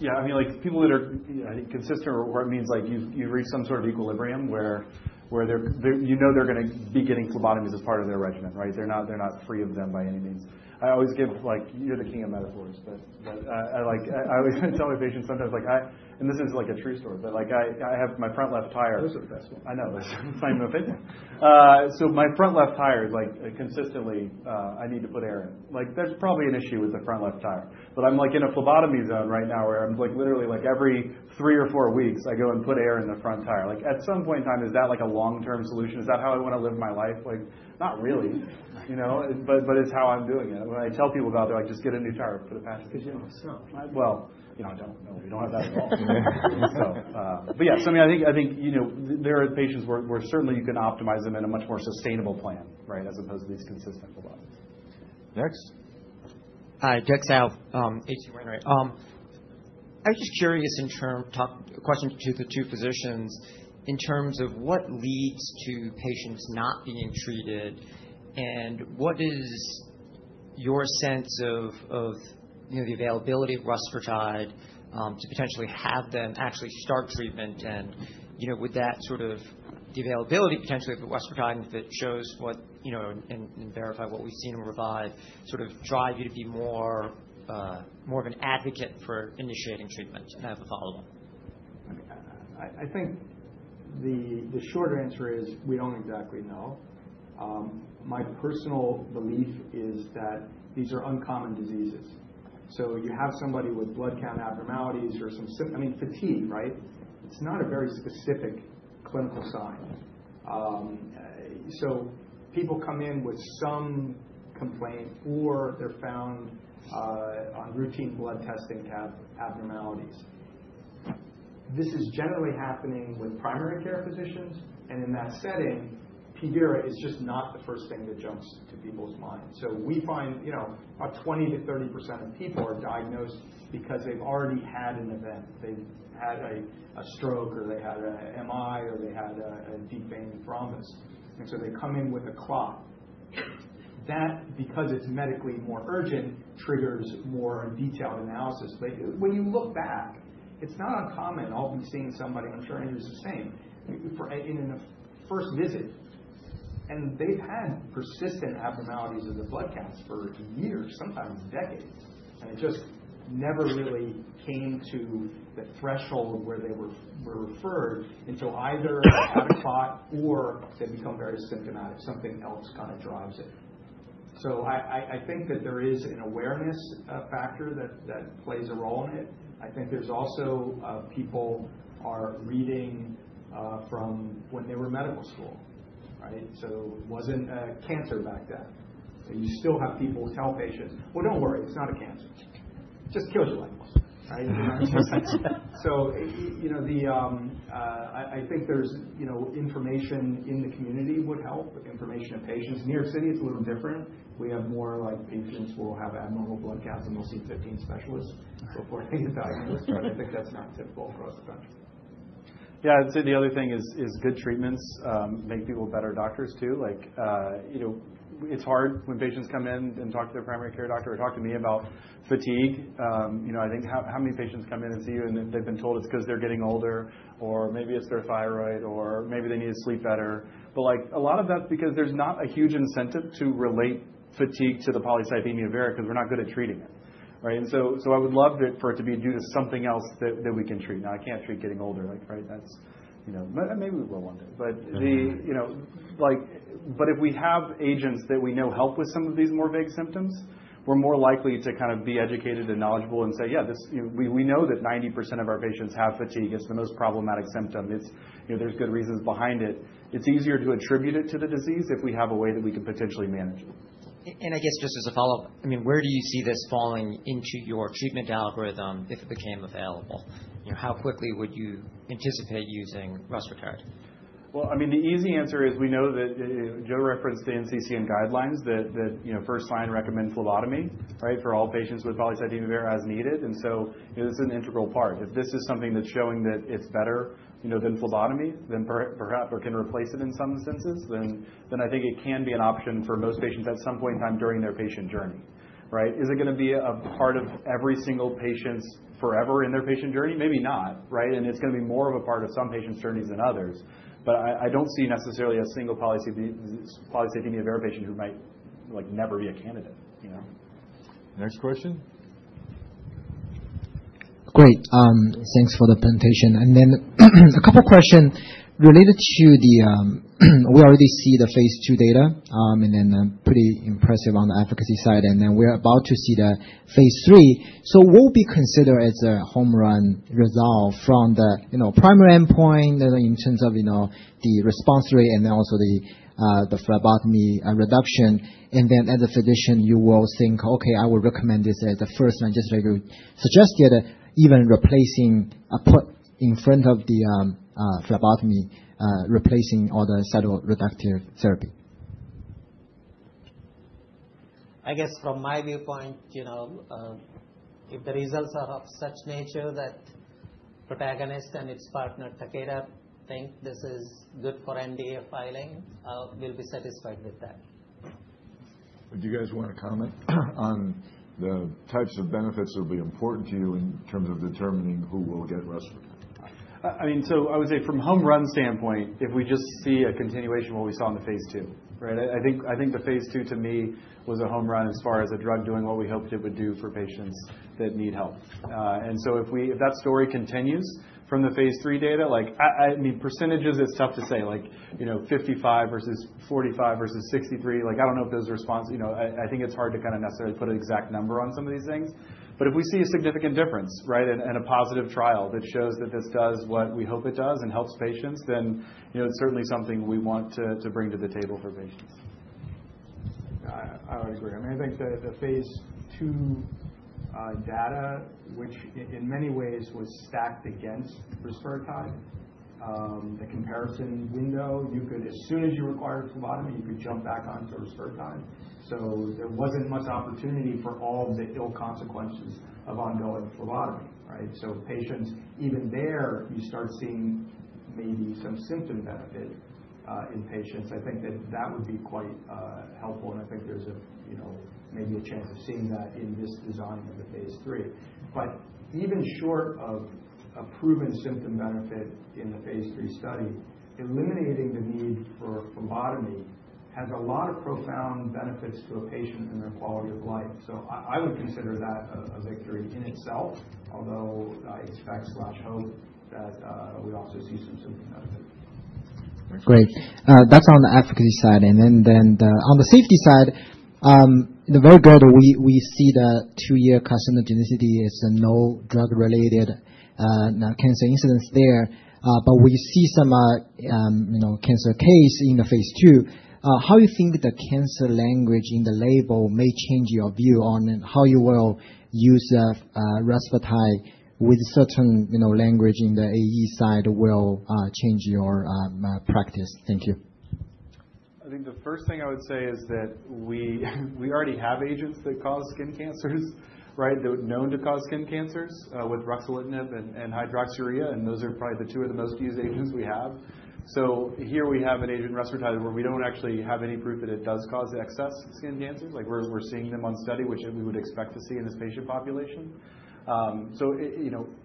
yeah, I mean, people that are, I think, consistent or it means you've reached some sort of equilibrium where you know they're going to be getting phlebotomies as part of their regimen, right? They're not free of them by any means. I always give. You're the king of metaphors, but I always tell my patients sometimes, and this is a true story, but I have my front left tire. Those are the best ones. I know. That's my new opinion, so my front left tire is consistently I need to put air in. There's probably an issue with the front left tire, but I'm in a phlebotomy zone right now where I'm literally every three or four weeks, I go and put air in the front tire. At some point in time, is that a long-term solution? Is that how I want to live my life? Not really, but it's how I'm doing it. When I tell people about it, they're like, "Just get a new tire. Put it past yourself. Because you don't have snow. I don't know. We don't have that at all. But yeah, so I mean, I think there are patients where certainly you can optimize them in a much more sustainable plan, right, as opposed to these consistent phlebotomies. Next. Hi, Doug Tsao, H.C. Wainwright. I was just curious in terms of questions to the two physicians in terms of what leads to patients not being treated and what is your sense of the availability of rusfertide to potentially have them actually start treatment? And would that sort of the availability potentially of the rusfertide, if it shows what and verify what we've seen in REVIVE, sort of drive you to be more of an advocate for initiating treatment and have a follow-up? I think the short answer is we don't exactly know. My personal belief is that these are uncommon diseases, so you have somebody with blood count abnormalities or some, I mean, fatigue, right? It's not a very specific clinical sign, so people come in with some complaint or they're found on routine blood testing to have abnormalities. This is generally happening with primary care physicians, and in that setting, PV is just not the first thing that jumps to people's minds, so we find about 20%-30% of people are diagnosed because they've already had an event. They've had a stroke or they had an MI or they had a deep vein thrombus, and so they come in with a clot. That, because it's medically more urgent, triggers more detailed analysis. When you look back, it's not uncommon. I'll be seeing somebody, I'm sure Andrew's the same, in a first visit, and they've had persistent abnormalities of the blood counts for years, sometimes decades, and it just never really came to the threshold where they were referred until either they have a clot or they become very symptomatic. Something else kind of drives it. So I think that there is an awareness factor that plays a role in it. I think there's also people are reading from when they were in medical school, right? So it wasn't cancer back then. So you still have people tell patients, "Well, don't worry. It's not a cancer. It just kills your lymphs," right? So I think information in the community would help with information to patients. In New York City, it's a little different. We have more patients who will have abnormal blood counts, and they'll see 15 specialists before they get diagnosed, but I think that's not typical across the country. Yeah. I'd say the other thing is good treatments make people better doctors too. It's hard when patients come in and talk to their primary care doctor or talk to me about fatigue. I think how many patients come in and see you, and they've been told it's because they're getting older, or maybe it's their thyroid, or maybe they need to sleep better. But a lot of that's because there's not a huge incentive to relate fatigue to the polycythemia vera because we're not good at treating it, right? And so I would love for it to be due to something else that we can treat. Now, I can't treat getting older, right? Maybe we will one day, but if we have agents that we know help with some of these more vague symptoms, we're more likely to kind of be educated and knowledgeable and say, "Yeah, we know that 90% of our patients have fatigue. It's the most problematic symptom. There's good reasons behind it." It's easier to attribute it to the disease if we have a way that we can potentially manage it. I guess just as a follow-up, I mean, where do you see this falling into your treatment algorithm if it became available? How quickly would you anticipate using rusfertide? I mean, the easy answer is we know that Joe referenced the NCCN guidelines that first-line recommend phlebotomy, right, for all patients with polycythemia vera as needed. And so this is an integral part. If this is something that's showing that it's better than phlebotomy, then perhaps it can replace it in some instances, then I think it can be an option for most patients at some point in time during their patient journey, right? Is it going to be a part of every single patient's forever in their patient journey? Maybe not, right? And it's going to be more of a part of some patients' journeys than others. But I don't see necessarily a single polycythemia vera patient who might never be a candidate. Next question. Great. Thanks for the presentation. And then a couple of questions related to that we already see the phase II data and then pretty impressive on the efficacy side, and then we're about to see the phase III. So what would be considered as a home run result from the primary endpoint in terms of the response rate and then also the phlebotomy reduction? And then as a physician, you will think, "Okay, I will recommend this as a first-line," just like you suggested, even replacing, put in front of the phlebotomy, replacing all the cytoreductive therapy. I guess from my viewpoint, if the results are of such nature that Protagonist and its partner Takeda think this is good for NDA filing, I will be satisfied with that. Would you guys want to comment on the types of benefits that will be important to you in terms of determining who will get rusfertide? I mean, so I would say from home run standpoint, if we just see a continuation of what we saw in the phase II, right? I think the phase II to me was a home run as far as a drug doing what we hoped it would do for patients that need help. And so if that story continues from the phase III data, I mean, percentages is tough to say, like 55 versus 45 versus 63. I don't know if those responses. I think it's hard to kind of necessarily put an exact number on some of these things. But if we see a significant difference, right, and a positive trial that shows that this does what we hope it does and helps patients, then it's certainly something we want to bring to the table for patients. I would agree. I mean, I think the phase II data, which in many ways was stacked against rusfertide, the comparison window, as soon as you require phlebotomy, you could jump back onto rusfertide. So there wasn't much opportunity for all the ill consequences of ongoing phlebotomy, right? So patients, even there, you start seeing maybe some symptom benefit in patients. I think that that would be quite helpful, and I think there's maybe a chance of seeing that in this design of the phase III. But even short of a proven symptom benefit in the phase III study, eliminating the need for phlebotomy has a lot of profound benefits to a patient and their quality of life. So I would consider that a victory in itself, although I expect or hope that we also see some symptom benefit. Great. That's on the advocacy side. And then on the safety side, we see very good data in the two-year carcinogenicity study with no drug-related cancer incidence there, but we see some cancer cases in the phase II. How do you think the cancer language in the label may change your view on how you will use rusfertide? With certain language in the AE side, will it change your practice? Thank you. I think the first thing I would say is that we already have agents that cause skin cancers, right, that are known to cause skin cancers with ruxolitinib and hydroxyurea, and those are probably the two of the most used agents we have. So here we have an agent, rusfertide, where we don't actually have any proof that it does cause excess skin cancers. We're seeing them on study, which we would expect to see in this patient population. So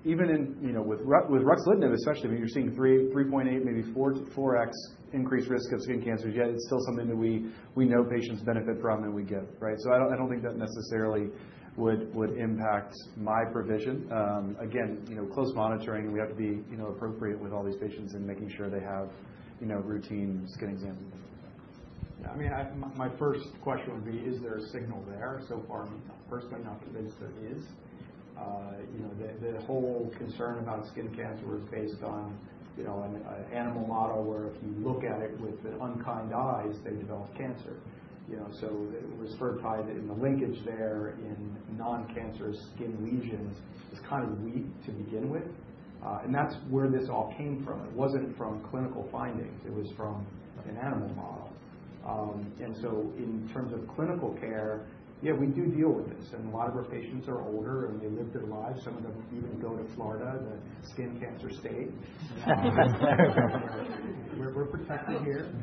even with ruxolitinib, especially, I mean, you're seeing 3.8, maybe 4x increased risk of skin cancers, yet it's still something that we know patients benefit from and we give, right? So I don't think that necessarily would impact my provision. Again, close monitoring, and we have to be appropriate with all these patients and making sure they have routine skin exams. Yeah. I mean, my first question would be, is there a signal there? So far, personally, I'm not convinced there is. The whole concern about skin cancer was based on an animal model where if you look at it with unkind eyes, they develop cancer. So rusfertide and the linkage there in non-cancerous skin lesions is kind of weak to begin with. And that's where this all came from. It wasn't from clinical findings. It was from an animal model. And so in terms of clinical care, yeah, we do deal with this. And a lot of our patients are older, and they lived their lives. Some of them even go to Florida, the skin cancer state. We're protected here.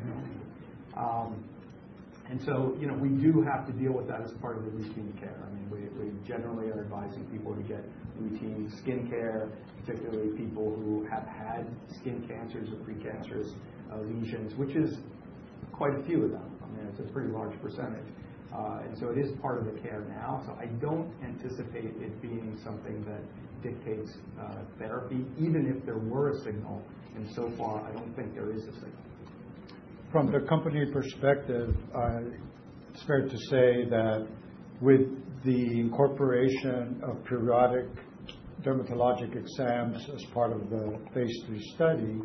And so we do have to deal with that as part of the routine care. I mean, we generally are advising people to get routine skin care, particularly people who have had skin cancers or precancerous lesions, which is quite a few of them. I mean, it's a pretty large percentage. And so it is part of the care now. So I don't anticipate it being something that dictates therapy, even if there were a signal. And so far, I don't think there is a signal. From the company perspective, it's fair to say that with the incorporation of periodic dermatologic exams as part of the phase III study,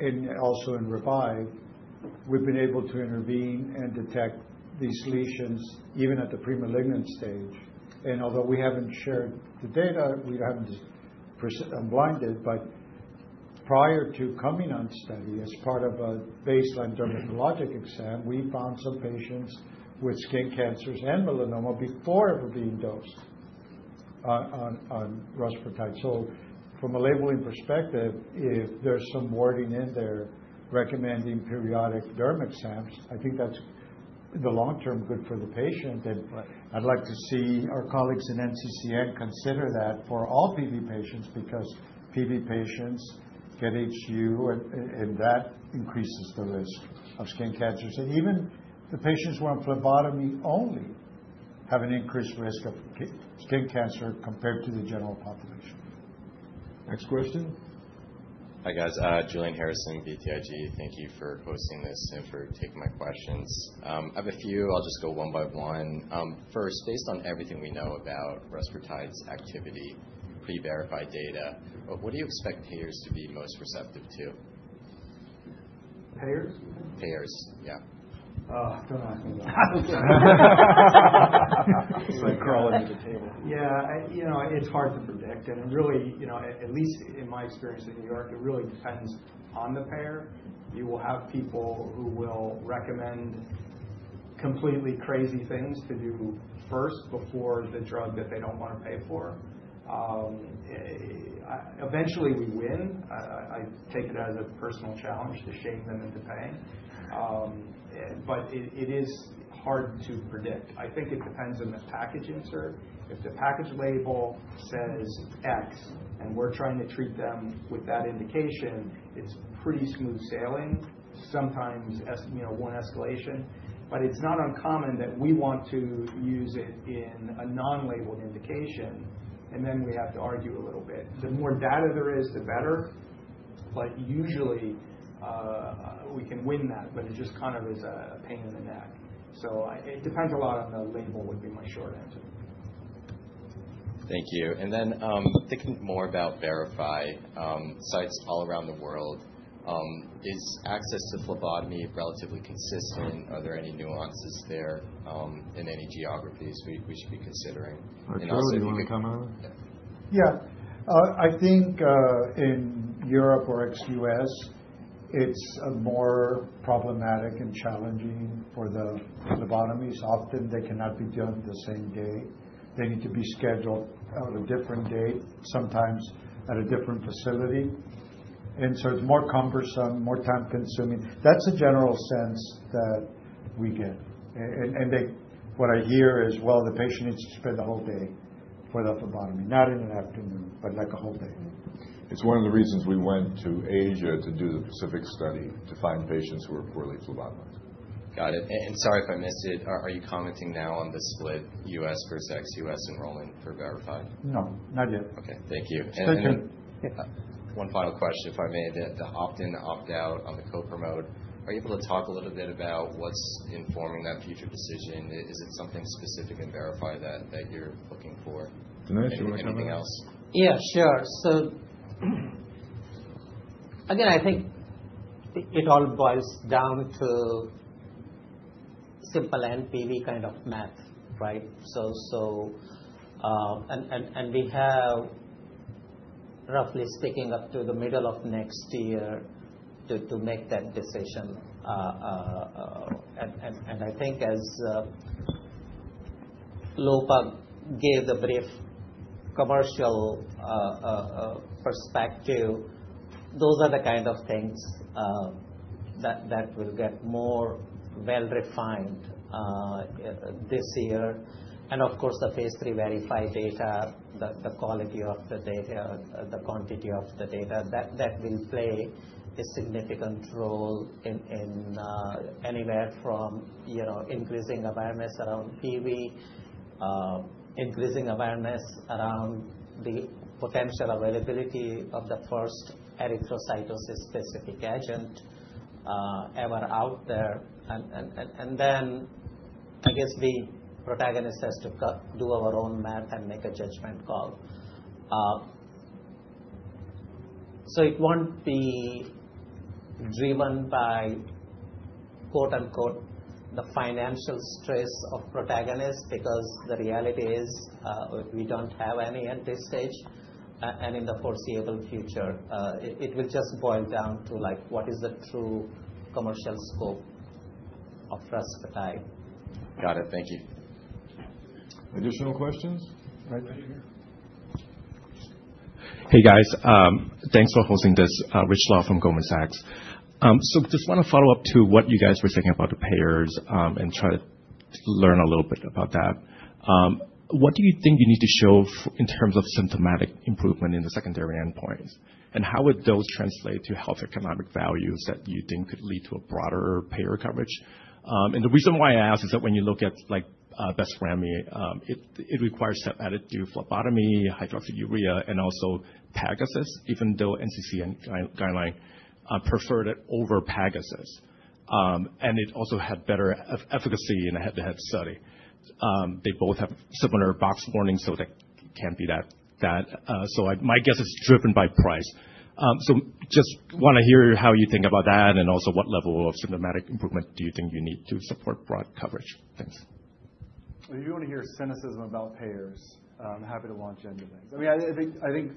and also in REVIVE, we've been able to intervene and detect these lesions even at the premalignant stage. And although we haven't shared the data, we haven't been blinded, but prior to coming on study as part of a baseline dermatologic exam, we found some patients with skin cancers and melanoma before ever being dosed on rusfertide. So from a labeling perspective, if there's some wording in there recommending periodic derm exams, I think that's in the long-term good for the patient. And I'd like to see our colleagues in NCCN consider that for all PV patients because PV patients get HU, and that increases the risk of skin cancers. Even the patients who are on phlebotomy only have an increased risk of skin cancer compared to the general population. Next question. Hi guys. Julian Harrison, BTIG. Thank you for hosting this and for taking my questions. I have a few. I'll just go one by one. First, based on everything we know about rusfertide's activity, pre-VERIFY data, what do you expect payers to be most receptive to? Payers? Payers. Yeah. Don't ask me that. It's like crawling into table. Yeah. It's hard to predict, and really, at least in my experience in New York, it really depends on the payer. You will have people who will recommend completely crazy things to do first before the drug that they don't want to pay for. Eventually, we win. I take it as a personal challenge to shame them into paying, but it is hard to predict. I think it depends on the package insert. If the package label says X and we're trying to treat them with that indication, it's pretty smooth sailing, sometimes one escalation, but it's not uncommon that we want to use it in a non-labeled indication, and then we have to argue a little bit. The more data there is, the better. But usually, we can win that, but it just kind of is a pain in the neck. So it depends a lot on the label, would be my short answer. Thank you. And then thinking more about VERIFY sites all around the world, is access to phlebotomy relatively consistent? Are there any nuances there in any geographies we should be considering? Arturo, do you want to comment on that. Yeah. I think in Europe or ex-U.S., it's more problematic and challenging for the phlebotomies. Often, they cannot be done the same day. They need to be scheduled on a different date, sometimes at a different facility. And so it's more cumbersome, more time-consuming. That's a general sense that we get. And what I hear is, well, the patient needs to spend the whole day for the phlebotomy, not in an afternoon, but like a whole day. It's one of the reasons we went to Asia to do the PACIFIC study to find patients who are poorly phlebotomized. Got it. And sorry if I missed it. Are you commenting now on the split U.S. versus ex-U.S. enrollment for VERIFY? No. Not yet. Okay. Thank you. Thank you. One final question, if I may, the opt-in, opt-out on the co-promote. Are you able to talk a little bit about what's informing that future decision? Is it something specific in VERIFY that you're looking for? Dinesh, do you want to comment on that? Anything else? Yeah, sure. So again, I think it all boils down to simple and PV kind of math, right? And we have, roughly speaking, up to the middle of next year to make that decision. And I think as Lopa gave the brief commercial perspective, those are the kind of things that will get more well-refined this year. And of course, the phase III VERIFY data, the quality of the data, the quantity of the data, that will play a significant role in anywhere from increasing awareness around PV, increasing awareness around the potential availability of the first erythrocytosis-specific agent ever out there. And then I guess the Protagonist has to do our own math and make a judgment call. So it won't be driven by "the financial stress of Protagonist" because the reality is we don't have any at this stage and in the foreseeable future. It will just boil down to what is the true commercial scope of rusfertide. Got it. Thank you. Additional questions? Hey, guys. Thanks for hosting this. Rich Law from Goldman Sachs. So just want to follow up to what you guys were saying about the payers and try to learn a little bit about that. What do you think you need to show in terms of symptomatic improvement in the secondary endpoints? And how would those translate to health economic values that you think could lead to a broader payer coverage? And the reason why I ask is that when you look at Besremi, it requires step edits to phlebotomy, hydroxyurea, and also Pegasys, even though NCCN guideline preferred it over Pegasys. And it also had better efficacy in a head-to-head study. They both have similar box warnings, so that can't be that. So my guess is driven by price. So just want to hear how you think about that and also what level of symptomatic improvement do you think you need to support broad coverage? Thanks. If you want to hear cynicism about payers, I'm happy to launch into things. I mean, I think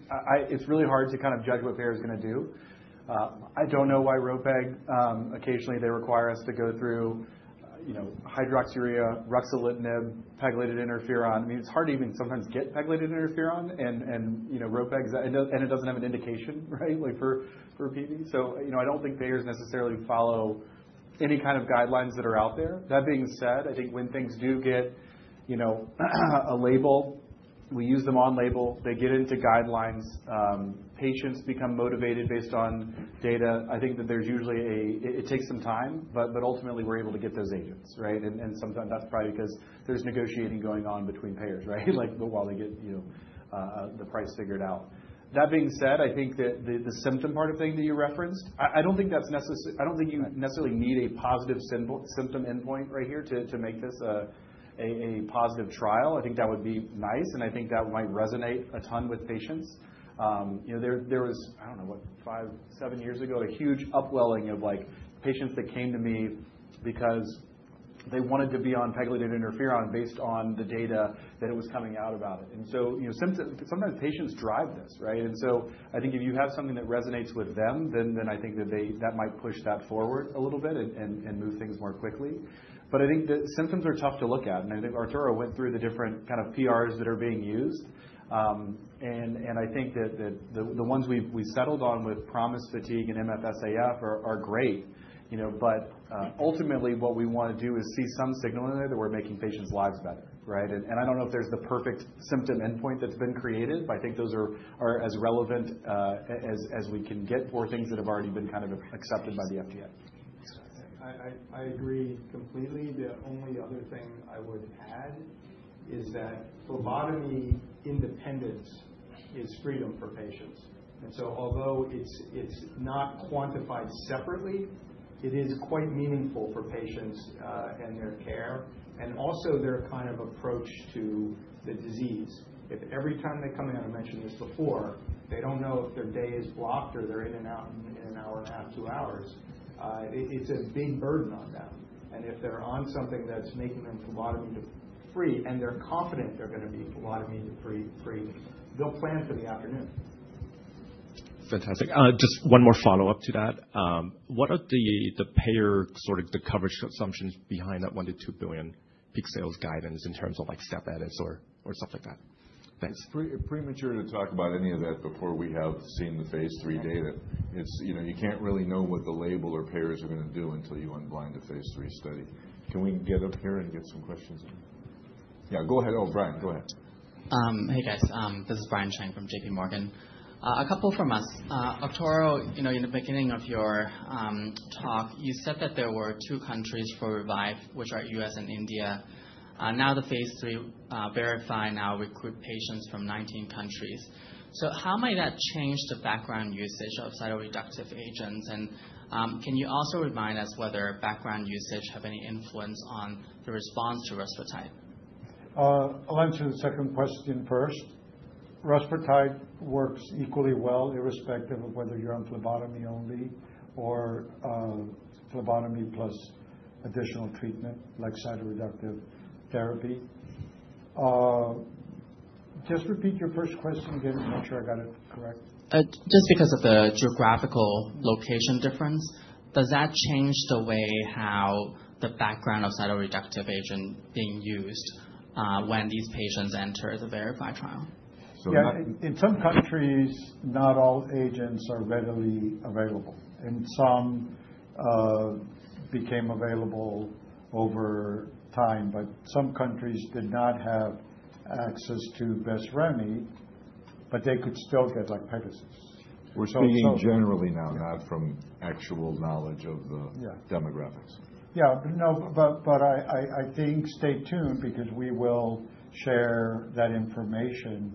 it's really hard to kind of judge what payer is going to do. I don't know why ropeg occasionally they require us to go through hydroxyurea, ruxolitinib, pegylated interferon. I mean, it's hard to even sometimes get pegylated interferon and ropeg, and it doesn't have an indication, right, for PV. So I don't think payers necessarily follow any kind of guidelines that are out there. That being said, I think when things do get a label, we use them on label. They get into guidelines. Patients become motivated based on data. I think that there's usually, it takes some time, but ultimately, we're able to get those agents, right? And sometimes that's probably because there's negotiating going on between payers, right, while they get the price figured out. That being said, I think that the symptom part of thing that you referenced. I don't think that's necessary. I don't think you necessarily need a positive symptom endpoint right here to make this a positive trial. I think that would be nice, and I think that might resonate a ton with patients. There was, I don't know what, five, seven years ago, a huge upwelling of patients that came to me because they wanted to be on pegylated interferon based on the data that it was coming out about it. And so sometimes patients drive this, right? And so I think if you have something that resonates with them, then I think that that might push that forward a little bit and move things more quickly. But I think that symptoms are tough to look at. And I think Arturo went through the different kind of PROs that are being used. And I think that the ones we've settled on with PROMIS Fatigue and MFSAF are great. But ultimately, what we want to do is see some signal in there that we're making patients' lives better, right? And I don't know if there's the perfect symptom endpoint that's been created, but I think those are as relevant as we can get for things that have already been kind of accepted by the FDA. I agree completely. The only other thing I would add is that phlebotomy independence is freedom for patients, and so although it's not quantified separately, it is quite meaningful for patients and their care and also their kind of approach to the disease. If every time they come in, I mentioned this before, they don't know if their day is blocked or they're in and out in an hour and a half, two hours. It's a big burden on them, and if they're on something that's making them phlebotomy-free and they're confident they're going to be phlebotomy-free, they'll plan for the afternoon. Fantastic. Just one more follow-up to that. What are the payer sort of the coverage assumptions behind that $1 billion-$2 billion peak sales guidance in terms of step edits or stuff like that? Thanks. It's premature to talk about any of that before we have seen the phase III data. You can't really know what the label or payers are going to do until you unblind a phase III study. Can we get up here and get some questions in? Yeah, go ahead. Oh, Brian, go ahead. Hey, guys. This is Brian Cheng from JP Morgan. A couple from us. Arturo, in the beginning of your talk, you said that there were two countries for REVIVE, which are US and India. Now the phase III VERIFY now recruits patients from 19 countries. So how might that change the background usage of cytoreductive agents? And can you also remind us whether background usage has any influence on the response to rusfertide? I'll answer the second question first. Rusfertide works equally well, irrespective of whether you're on phlebotomy only or phlebotomy plus additional treatment like cytoreductive therapy. Just repeat your first question again to make sure I got it correct. Just because of the geographical location difference, does that change the way how the background of cytoreductive agent being used when these patients enter the VERIFY trial? Yeah. In some countries, not all agents are readily available. And some became available over time, but some countries did not have access to Besremi, but they could still get like Pegasys. We're speaking generally now, not from actual knowledge of the demographics. Yeah. No, but I think, stay tuned because we will share that information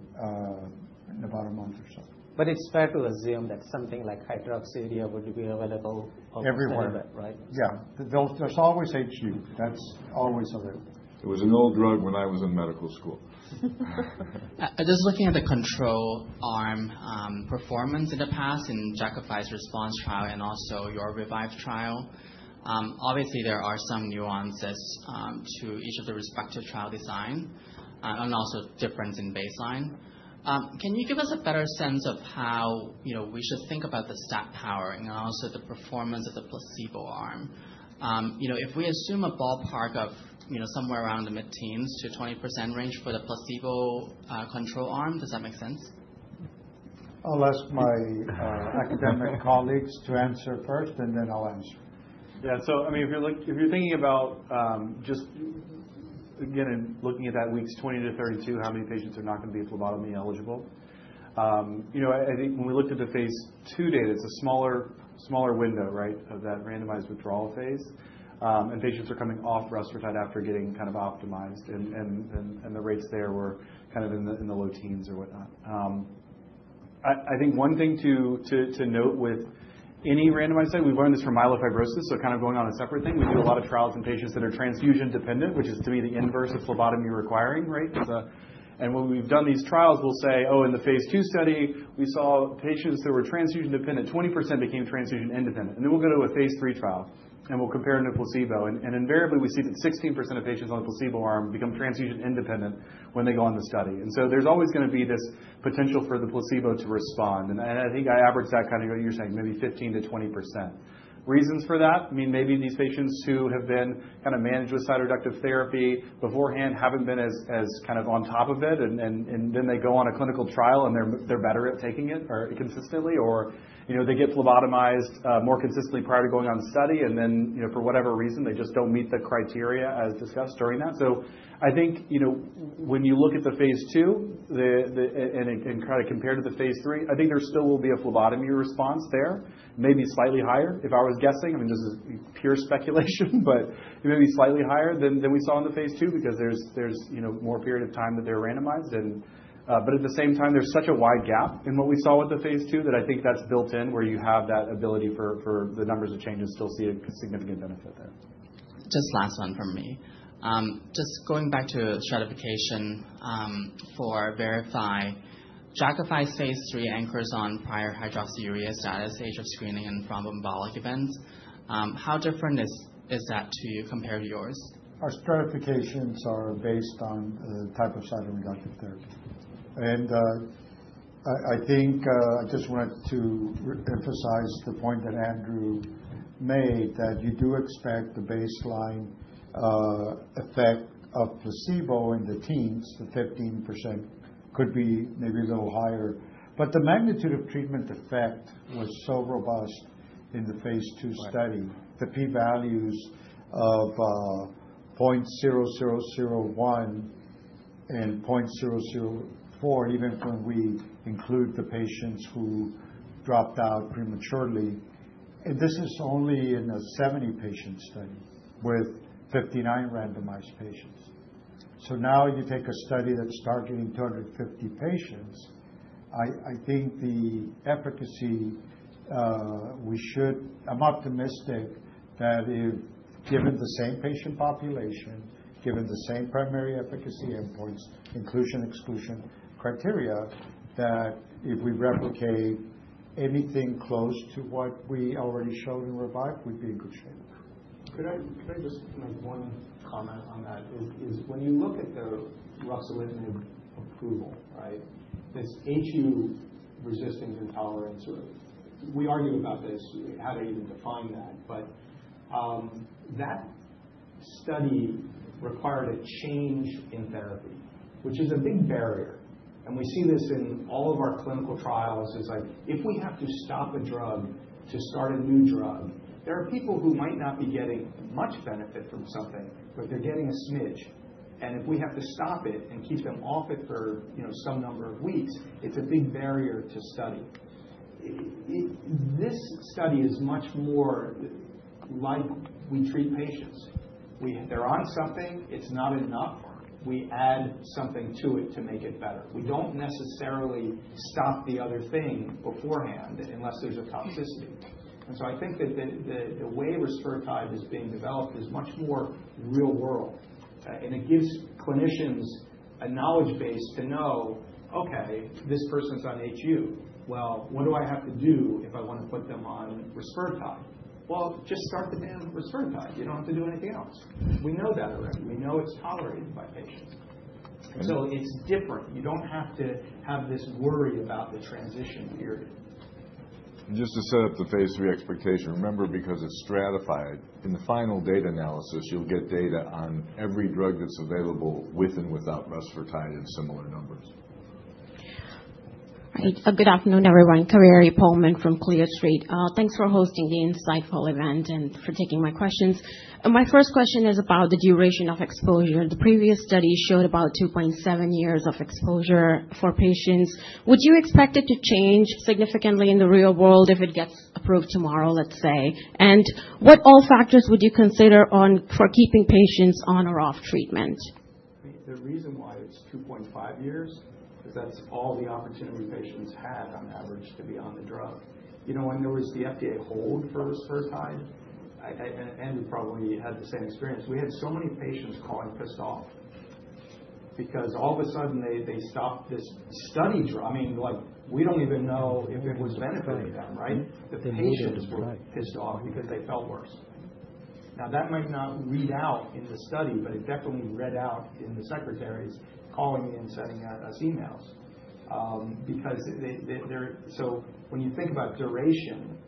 in about a month or so. But it's fair to assume that something like hydroxyurea would be available. Everyone. So that, right? Yeah. There's always HU. That's always available. It was an old drug when I was in medical school. Just looking at the control arm performance in the past in Jakafi's RESPONSE trial and also your REVIVE trial, obviously, there are some nuances to each of the respective trial design and also difference in baseline. Can you give us a better sense of how we should think about the stat power and also the performance of the placebo arm? If we assume a ballpark of somewhere around the mid-teens to 20% range for the placebo control arm, does that make sense? I'll ask my academic colleagues to answer first, and then I'll answer. Yeah. So I mean, if you're thinking about just, again, looking at that weeks 20 to 32, how many patients are not going to be phlebotomy eligible? I think when we looked at the phase II data, it's a smaller window, right, of that randomized withdrawal phase. And patients are coming off rusfertide after getting kind of optimized. And the rates there were kind of in the low teens or whatnot. I think one thing to note with any randomized study, we've learned this from myelofibrosis, so kind of going on a separate thing. We do a lot of trials in patients that are transfusion dependent, which is to be the inverse of phlebotomy requiring, right? When we've done these trials, we'll say, "Oh, in the phase II study, we saw patients that were transfusion dependent, 20% became transfusion independent." Then we'll go to a phase III trial and we'll compare them to placebo. And invariably, we see that 16% of patients on the placebo arm become transfusion independent when they go on the study. And so there's always going to be this potential for the placebo to respond. And I think I average that kind of what you're saying, maybe 15%-20%. Reasons for that? I mean, maybe these patients who have been kind of managed with cytoreductive therapy beforehand haven't been as kind of on top of it. And then they go on a clinical trial and they're better at taking it consistently, or they get phlebotomized more consistently prior to going on the study, and then for whatever reason, they just don't meet the criteria as discussed during that. So I think when you look at the phase II and kind of compare it to the phase III, I think there still will be a phlebotomy response there, maybe slightly higher. If I was guessing, I mean, this is pure speculation, but maybe slightly higher than we saw in the phase II because there's more period of time that they're randomized. But at the same time, there's such a wide gap in what we saw with the phase II that I think that's built in where you have that ability for the numbers of changes still see a significant benefit there. Just last one from me. Just going back to stratification for VERIFY, Jakafi's phase III anchors on prior hydroxyurea status, age of screening, and thrombotic events. How different is that to you compared to yours? Our stratifications are based on the type of cytoreductive therapy, and I think I just wanted to emphasize the point that Andrew made that you do expect the baseline effect of placebo in the teens, the 15%, which could be maybe a little higher, but the magnitude of treatment effect was so robust in the phase II study. The P values of 0.0001 and 0.004, even when we include the patients who dropped out prematurely, and this is only in a 70-patient study with 59 randomized patients, so now you take a study that's targeting 250 patients. I'm optimistic that if given the same patient population, given the same primary efficacy endpoints, inclusion-exclusion criteria, that if we replicate anything close to what we already showed in REVIVE, we'd be in good shape. Could I just make one comment on that? It's when you look at the ruxolitinib approval, right, this HU resistance and tolerance, we argue about this, how to even define that. But that study required a change in therapy, which is a big barrier. And we see this in all of our clinical trials, like if we have to stop a drug to start a new drug, there are people who might not be getting much benefit from something, but they're getting a smidge. And if we have to stop it and keep them off it for some number of weeks, it's a big barrier to study. This study is much more like we treat patients. They're on something. It's not enough. We add something to it to make it better. We don't necessarily stop the other thing beforehand unless there's a toxicity. So I think that the way rusfertide is being developed is much more real-world. And it gives clinicians a knowledge base to know, "Okay, this person's on HU. Well, what do I have to do if I want to put them on rusfertide?" Well, just start the damn rusfertide. You don't have to do anything else. We know better, right? We know it's tolerated by patients. And so it's different. You don't have to have this worry about the transition period. And just to set up the phase III expectation, remember, because it's stratified, in the final data analysis, you'll get data on every drug that's available with and without rusfertide in similar numbers. Hi. Good afternoon, everyone. Kaveri Pohlman from Clear Street. Thanks for hosting the insightful event and for taking my questions. My first question is about the duration of exposure. The previous study showed about 2.7 years of exposure for patients. Would you expect it to change significantly in the real world if it gets approved tomorrow, let's say? And what all factors would you consider for keeping patients on or off treatment? The reason why it's 2.5 years is that's all the opportunity patients had on average to be on the drug. You know when there was the FDA hold for rusfertide, Andrew probably had the same experience. We had so many patients calling pissed off because all of a sudden they stopped this study drug. I mean, we don't even know if it was benefiting them, right? The patients were pissed off because they felt worse. Now, that might not read out in the study, but it definitely read out in the secretaries calling me and sending us emails because they're so when you think about duration,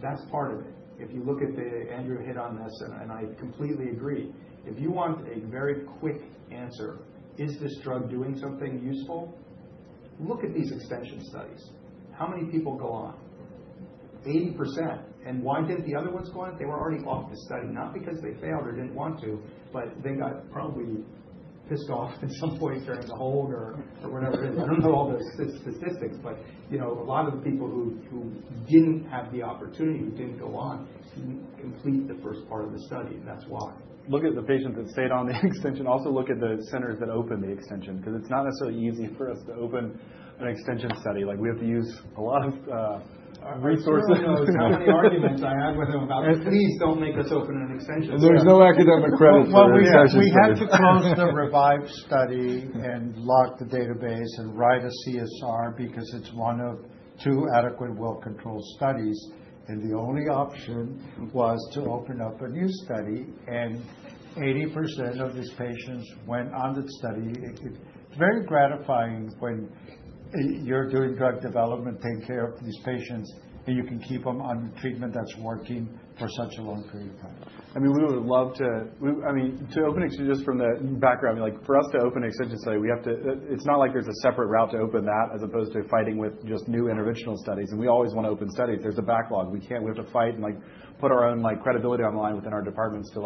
that's part of it. If you look at what Andrew hit on this, and I completely agree. If you want a very quick answer, is this drug doing something useful? Look at these extension studies. How many people go on? 80%. And why didn't the other ones go on? They were already off the study. Not because they failed or didn't want to, but they got probably pissed off at some point during the hold or whatever it is. I don't know all the statistics, but a lot of the people who didn't have the opportunity, who didn't go on, didn't complete the first part of the study, and that's why. Look at the patients that stayed on the extension. Also look at the centers that opened the extension because it's not necessarily easy for us to open an extension study. We have to use a lot of resources. I don't know how many arguments I had with him about. At least don't make us open an extension. There's no academic credit for extension studies. We had to close the REVIVE study and lock the database and write a CSR because it's one of two adequate well-controlled studies. And the only option was to open up a new study. And 80% of these patients went on the study. It's very gratifying when you're doing drug development, taking care of these patients, and you can keep them on treatment that's working for such a long period of time. I mean, we would love to. I mean, to open extension just from the background, for us to open extension study, it's not like there's a separate route to open that as opposed to fighting with just new interventional studies. And we always want to open studies. There's a backlog. We have to fight and put our own credibility on the line within our departments to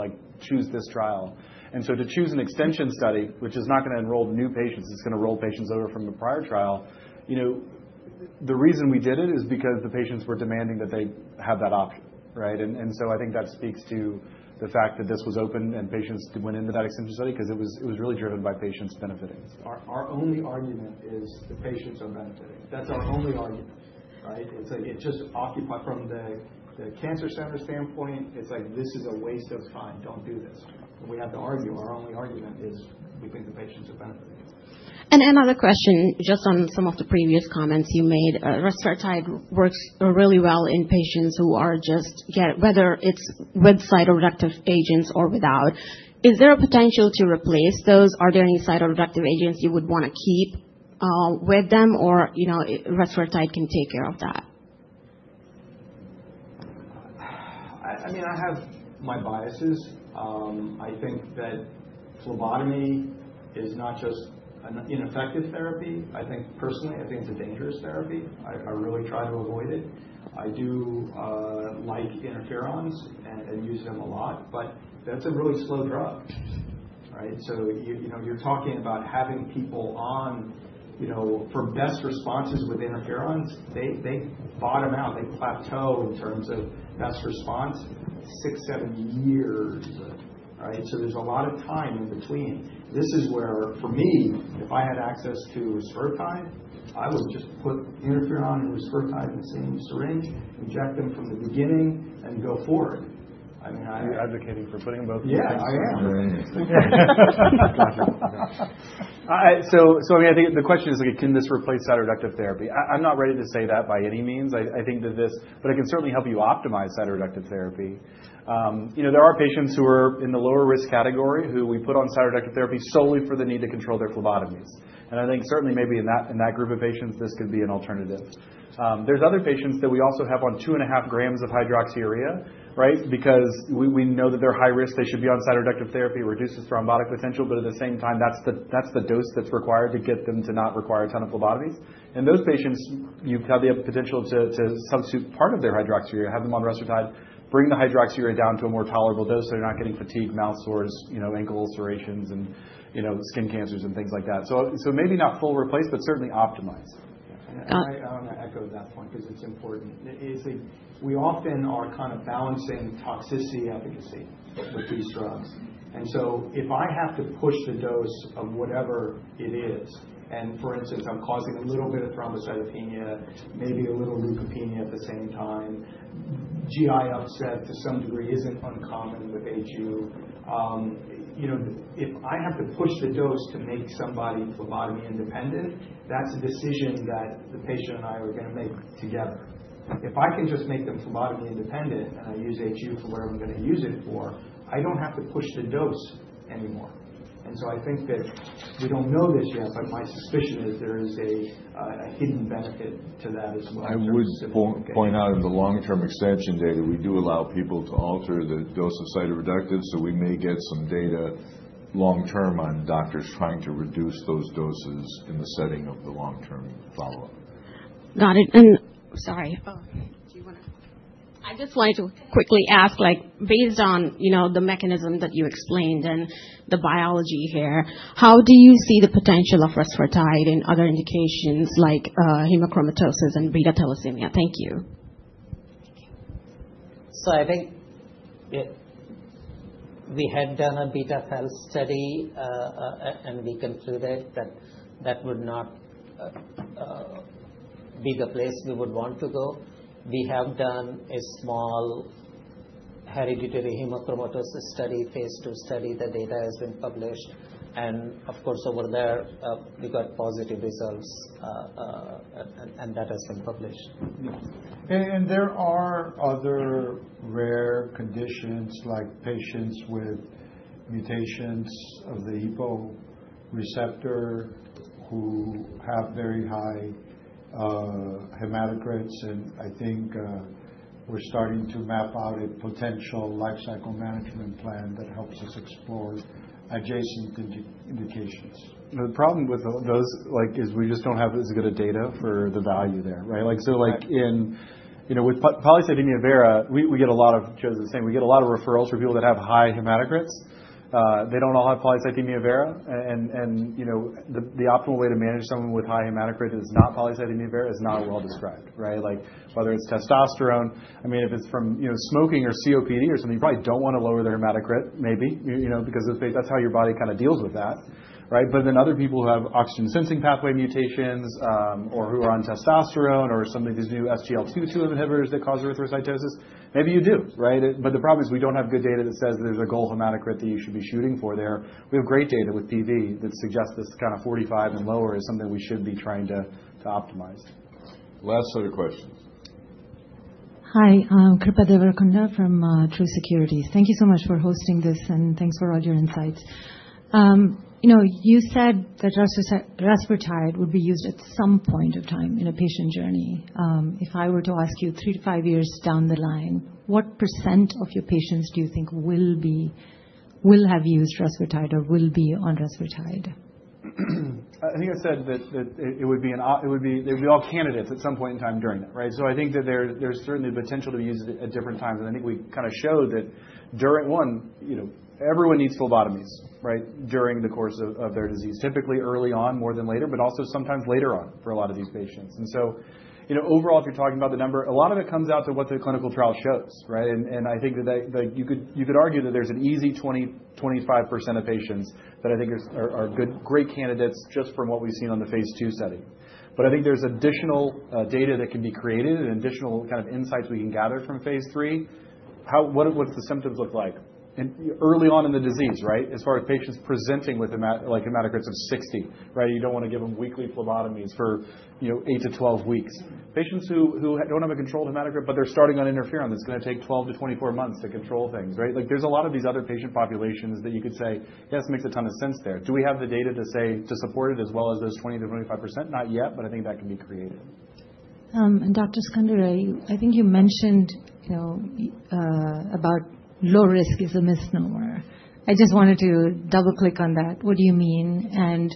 choose this trial. And so to choose an extension study, which is not going to enroll new patients, it's going to roll patients over from the prior trial. The reason we did it is because the patients were demanding that they have that option, right? And so I think that speaks to the fact that this was open and patients went into that extension study because it was really driven by patients benefiting. Our only argument is the patients are benefiting. That's our only argument, right? It's like it just occupies from the cancer center standpoint, it's like, "This is a waste of time. Don't do this." And we have to argue. Our only argument is we think the patients are benefiting. And another question, just on some of the previous comments you made. Rusfertide works really well in patients who are just whether it's with cytoreductive agents or without. Is there a potential to replace those? Are there any cytoreductive agents you would want to keep with them, or rusfertide can take care of that? I mean, I have my biases. I think that phlebotomy is not just an ineffective therapy. I think personally, I think it's a dangerous therapy. I really try to avoid it. I do like interferons and use them a lot, but that's a really slow drug, right? So you're talking about having people on for best responses with interferons, they bottom out. They plateau in terms of best response six, seven years, right? So there's a lot of time in between. This is where, for me, if I had access to rusfertide, I would just put interferon and rusfertide in the same syringe, inject them from the beginning, and go for it. I mean, I. You're advocating for putting both in the same syringe. Yeah, I am. Gotcha. Okay. So I mean, I think the question is, can this replace cytoreductive therapy? I'm not ready to say that by any means. I think that this, but I can certainly help you optimize cytoreductive therapy. There are patients who are in the lower risk category who we put on cytoreductive therapy solely for the need to control their phlebotomies. And I think certainly maybe in that group of patients, this could be an alternative. There's other patients that we also have on two and a half grams of hydroxyurea, right, because we know that they're high risk. They should be on cytoreductive therapy. It reduces thrombotic potential, but at the same time, that's the dose that's required to get them to not require a ton of phlebotomies. Those patients, you have the potential to substitute part of their hydroxyurea, have them on rusfertide, bring the hydroxyurea down to a more tolerable dose so they're not getting fatigue, mouth sores, ankle ulcerations, and skin cancers, and things like that. Maybe not full replace, but certainly optimize. I want to echo that point because it's important. We often are kind of balancing toxicity efficacy with these drugs. And so if I have to push the dose of whatever it is, and for instance, I'm causing a little bit of thrombocytopenia, maybe a little leukopenia at the same time, GI upset to some degree isn't uncommon with HU. If I have to push the dose to make somebody phlebotomy independent, that's a decision that the patient and I are going to make together. If I can just make them phlebotomy independent and I use HU for whatever I'm going to use it for, I don't have to push the dose anymore. And so I think that we don't know this yet, but my suspicion is there is a hidden benefit to that as well. I would point out in the long-term extension data, we do allow people to alter the dose of cytoreductive, so we may get some data long-term on doctors trying to reduce those doses in the setting of the long-term follow-up. Got it, and sorry. Oh, do you want to? I just wanted to quickly ask, based on the mechanism that you explained and the biology here, how do you see the potential of rusfertide in other indications like hemochromatosis and beta thalassemia? Thank you. So I think we had done a beta-thalassemia study, and we concluded that that would not be the place we would want to go. We have done a small hereditary hemochromatosis study, phase two study. The data has been published. And of course, over there, we got positive results, and that has been published. There are other rare conditions like patients with mutations of the EPO receptor who have very high hematocrits. I think we're starting to map out a potential lifecycle management plan that helps us explore adjacent indications. The problem with those is we just don't have as good a data for the value there, right, so with polycythemia vera, we get a lot of referrals for people that have high hematocrits. They don't all have polycythemia vera, and the optimal way to manage someone with high hematocrit is not polycythemia vera, is not well described, right? Whether it's testosterone, I mean, if it's from smoking or COPD or something, you probably don't want to lower their hematocrit maybe because that's how your body kind of deals with that, right? But then other people who have oxygen sensing pathway mutations or who are on testosterone or some of these new SGLT2 inhibitors that cause erythrocytosis, maybe you do, right, but the problem is we don't have good data that says there's a goal hematocrit that you should be shooting for there. We have great data with PV that suggests this kind of 45 and lower is something we should be trying to optimize. Last set of questions. Hi. I'm Srikripa Devarakonda from Truist Securities. Thank you so much for hosting this, and thanks for all your insights. You said that rusfertide would be used at some point of time in a patient journey. If I were to ask you three to five years down the line, what % of your patients do you think will have used rusfertide or will be on rusfertide? I think I said that it would be all candidates at some point in time during that, right? So I think that there's certainly potential to be used at different times. And I think we kind of showed that, one, everyone needs phlebotomies, right, during the course of their disease, typically early on more than later, but also sometimes later on for a lot of these patients. And so overall, if you're talking about the number, a lot of it comes out to what the clinical trial shows, right? And I think that you could argue that there's an easy 20%-25% of patients that I think are great candidates just from what we've seen on the phase II study. But I think there's additional data that can be created and additional kind of insights we can gather from phase III. What do the symptoms look like early on in the disease, right, as far as patients presenting with hematocrits of 60, right? You don't want to give them weekly phlebotomies for 8-12 weeks. Patients who don't have a controlled hematocrit, but they're starting on interferon, that's going to take 12-24 months to control things, right? There's a lot of these other patient populations that you could say, "Yes, it makes a ton of sense there." Do we have the data to support it as well as those 20%-25%? Not yet, but I think that can be created. Dr. Scandura, I think you mentioned about low risk is a misnomer. I just wanted to double-click on that. What do you mean? And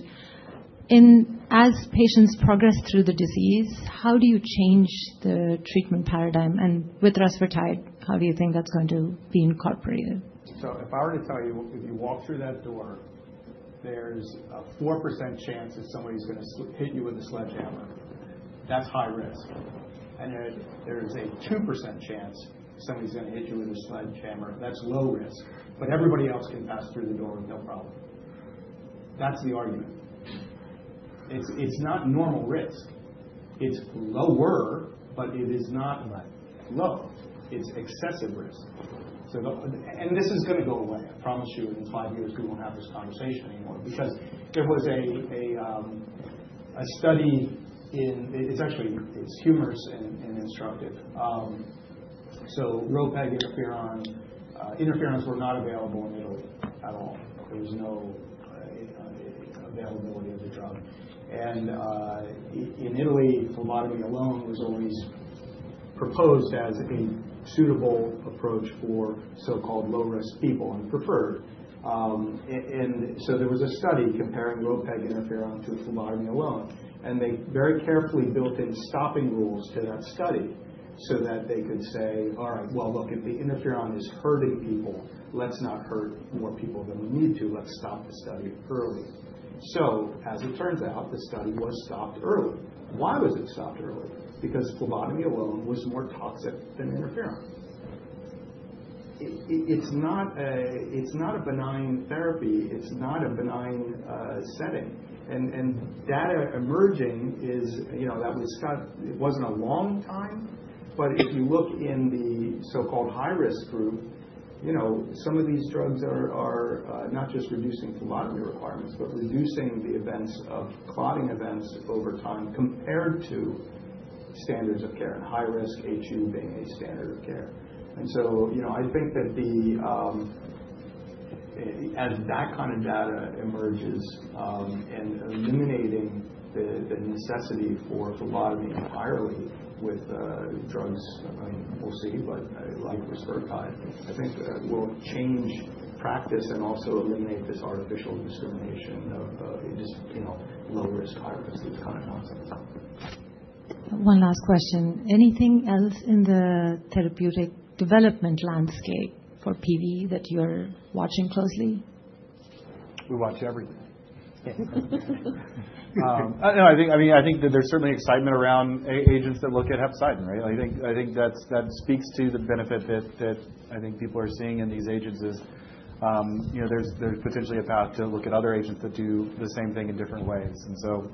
as patients progress through the disease, how do you change the treatment paradigm? And with rusfertide, how do you think that's going to be incorporated? So if I were to tell you, if you walk through that door, there's a 4% chance that somebody's going to hit you with a sledgehammer. That's high risk. And there is a 2% chance somebody's going to hit you with a sledgehammer. That's low risk. But everybody else can pass through the door with no problem. That's the argument. It's not normal risk. It's lower, but it is not low. It's excessive risk. And this is going to go away. I promise you in five years, we won't have this conversation anymore because there was a study in Italy. It's actually humorous and instructive. So ropeginterferon, interferons were not available in Italy at all. There was no availability of the drug. And in Italy, phlebotomy alone was always proposed as a suitable approach for so-called low-risk people and preferred. There was a study comparing ropeginterferon to phlebotomy alone. They very carefully built in stopping rules to that study so that they could say, "All right, well, look, if the interferon is hurting people, let's not hurt more people than we need to. Let's stop the study early." As it turns out, the study was stopped early. Why was it stopped early? Because phlebotomy alone was more toxic than interferon. It's not a benign therapy. It's not a benign setting. Data emerging is that it wasn't a long time, but if you look in the so-called high-risk group, some of these drugs are not just reducing phlebotomy requirements, but reducing the events of clotting events over time compared to standards of care and high-risk HU being a standard of care. And so I think that as that kind of data emerges and eliminating the necessity for phlebotomy entirely with drugs, I mean, we'll see, but like rusfertide, I think will change practice and also eliminate this artificial discrimination of just low-risk, high-risk, this kind of nonsense. One last question. Anything else in the therapeutic development landscape for PV that you're watching closely? We watch everything. I mean, I think that there's certainly excitement around agents that look at hepcidin, right? I think that speaks to the benefit that I think people are seeing in these agents is there's potentially a path to look at other agents that do the same thing in different ways. And so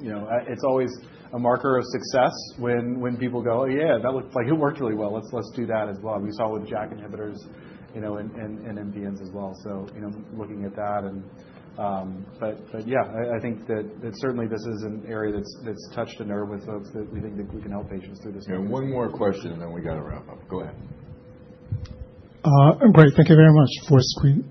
it's always a marker of success when people go, "Oh, yeah, that looked like it worked really well. Let's do that as well." We saw with JAK inhibitors and MPNs as well. So looking at that. But yeah, I think that certainly this is an area that's touched a nerve with folks that we think that we can help patients through this thing. And one more question, and then we got to wrap up. Go ahead. Great. Thank you very much for screening.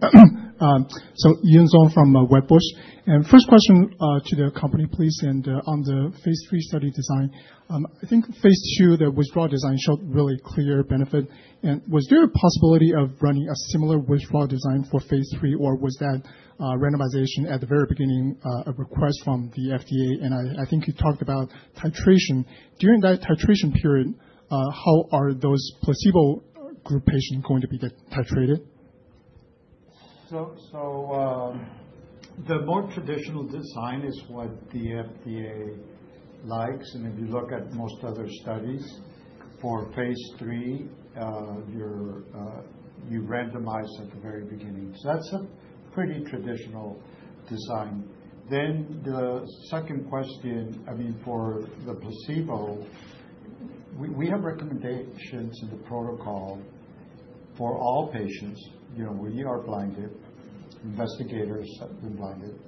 So Yun Zhong from Wedbush. And first question to the company, please. And on the phase III study design, I think phase two, the withdrawal design showed really clear benefit. And was there a possibility of running a similar withdrawal design for phase III, or was that randomization at the very beginning a request from the FDA? And I think you talked about titration. During that titration period, how are those placebo group patients going to be titrated? So the more traditional design is what the FDA likes. And if you look at most other studies for phase III, you randomize at the very beginning. So that's a pretty traditional design. Then the second question, I mean, for the placebo, we have recommendations in the protocol for all patients. We are blinded. Investigators have been blinded.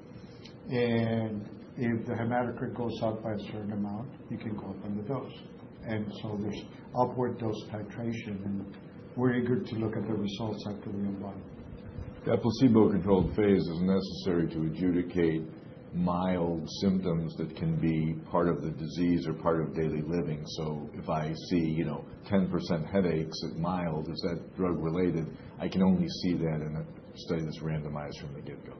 And if the hematocrit goes up by a certain amount, you can go up on the dose. And so there's upward dose titration. And we're eager to look at the results after we unblind. That placebo-controlled phase is necessary to adjudicate mild symptoms that can be part of the disease or part of daily living. So if I see 10% headaches at mild, is that drug-related? I can only see that in a study that's randomized from the get-go.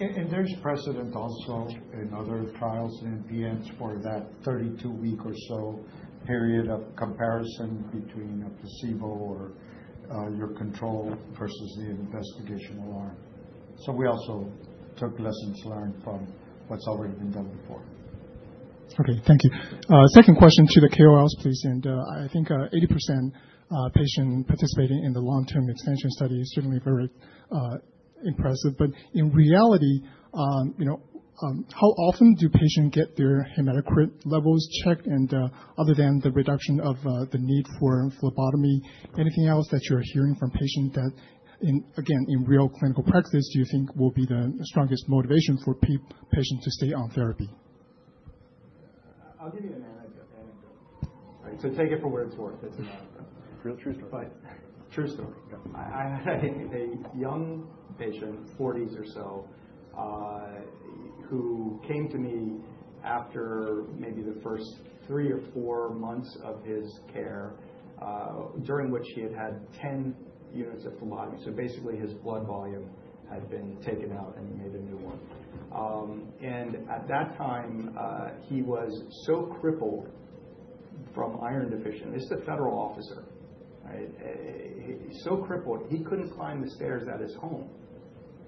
There's precedent also in other trials and MPNs for that 32-week or so period of comparison between a placebo or your control versus the investigational arm. So we also took lessons learned from what's already been done before. Okay. Thank you. Second question to the KOLs, please. I think 80% patient participating in the long-term extension study is certainly very impressive. But in reality, how often do patients get their hematocrit levels checked? And other than the reduction of the need for phlebotomy, anything else that you're hearing from patients that, again, in real clinical practice, do you think will be the strongest motivation for patients to stay on therapy? I'll give you an anecdote. So take it for what it's worth. It's an anecdote. Real true story. True story. A young patient, 40s or so, who came to me after maybe the first three or four months of his care, during which he had had 10 units of phlebotomy. So basically, his blood volume had been taken out, and he made a new one. And at that time, he was so crippled from iron deficiency. This is a federal officer, right? So crippled, he couldn't climb the stairs at his home.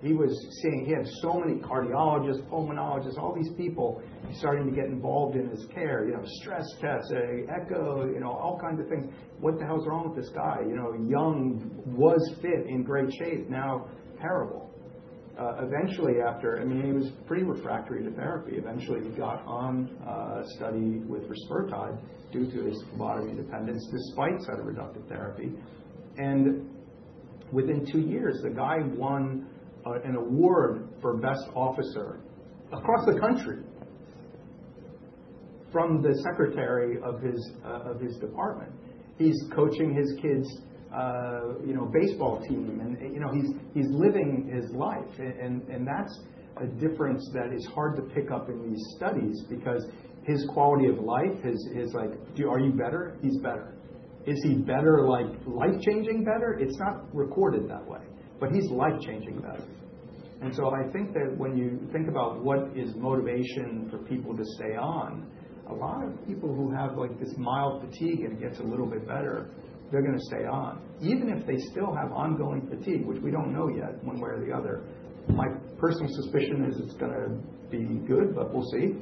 He was seeing so many cardiologists, pulmonologists, all these people starting to get involved in his care, stress tests, echo, all kinds of things. What the hell's wrong with this guy? Young, was fit in great shape, now terrible. Eventually, after, I mean, he was pretty refractory to therapy. Eventually, he got on study with rusfertide due to his phlebotomy dependence despite cytoreductive therapy. Within two years, the guy won an award for best officer across the country from the secretary of his department. He's coaching his kids' baseball team, and he's living his life. That's a difference that is hard to pick up in these studies because his quality of life is like, "Are you better?" He's better. Is he better like life-changing better? It's not recorded that way, but he's life-changing better. So I think that when you think about what is motivation for people to stay on, a lot of people who have this mild fatigue and it gets a little bit better, they're going to stay on. Even if they still have ongoing fatigue, which we don't know yet one way or the other, my personal suspicion is it's going to be good, but we'll see.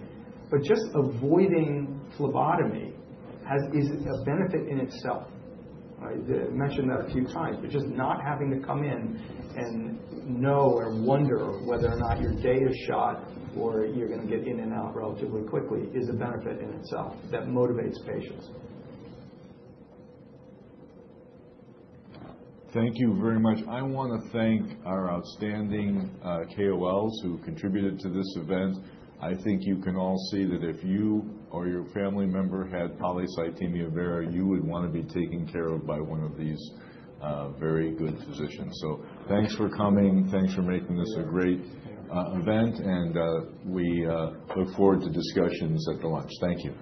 Just avoiding phlebotomy is a benefit in itself. I mentioned that a few times, but just not having to come in and know or wonder whether or not your day is shot or you're going to get in and out relatively quickly is a benefit in itself that motivates patients. Thank you very much. I want to thank our outstanding KOLs who contributed to this event. I think you can all see that if you or your family member had polycythemia vera, you would want to be taken care of by one of these very good physicians. So thanks for coming. Thanks for making this a great event. And we look forward to discussions at the lunch. Thank you.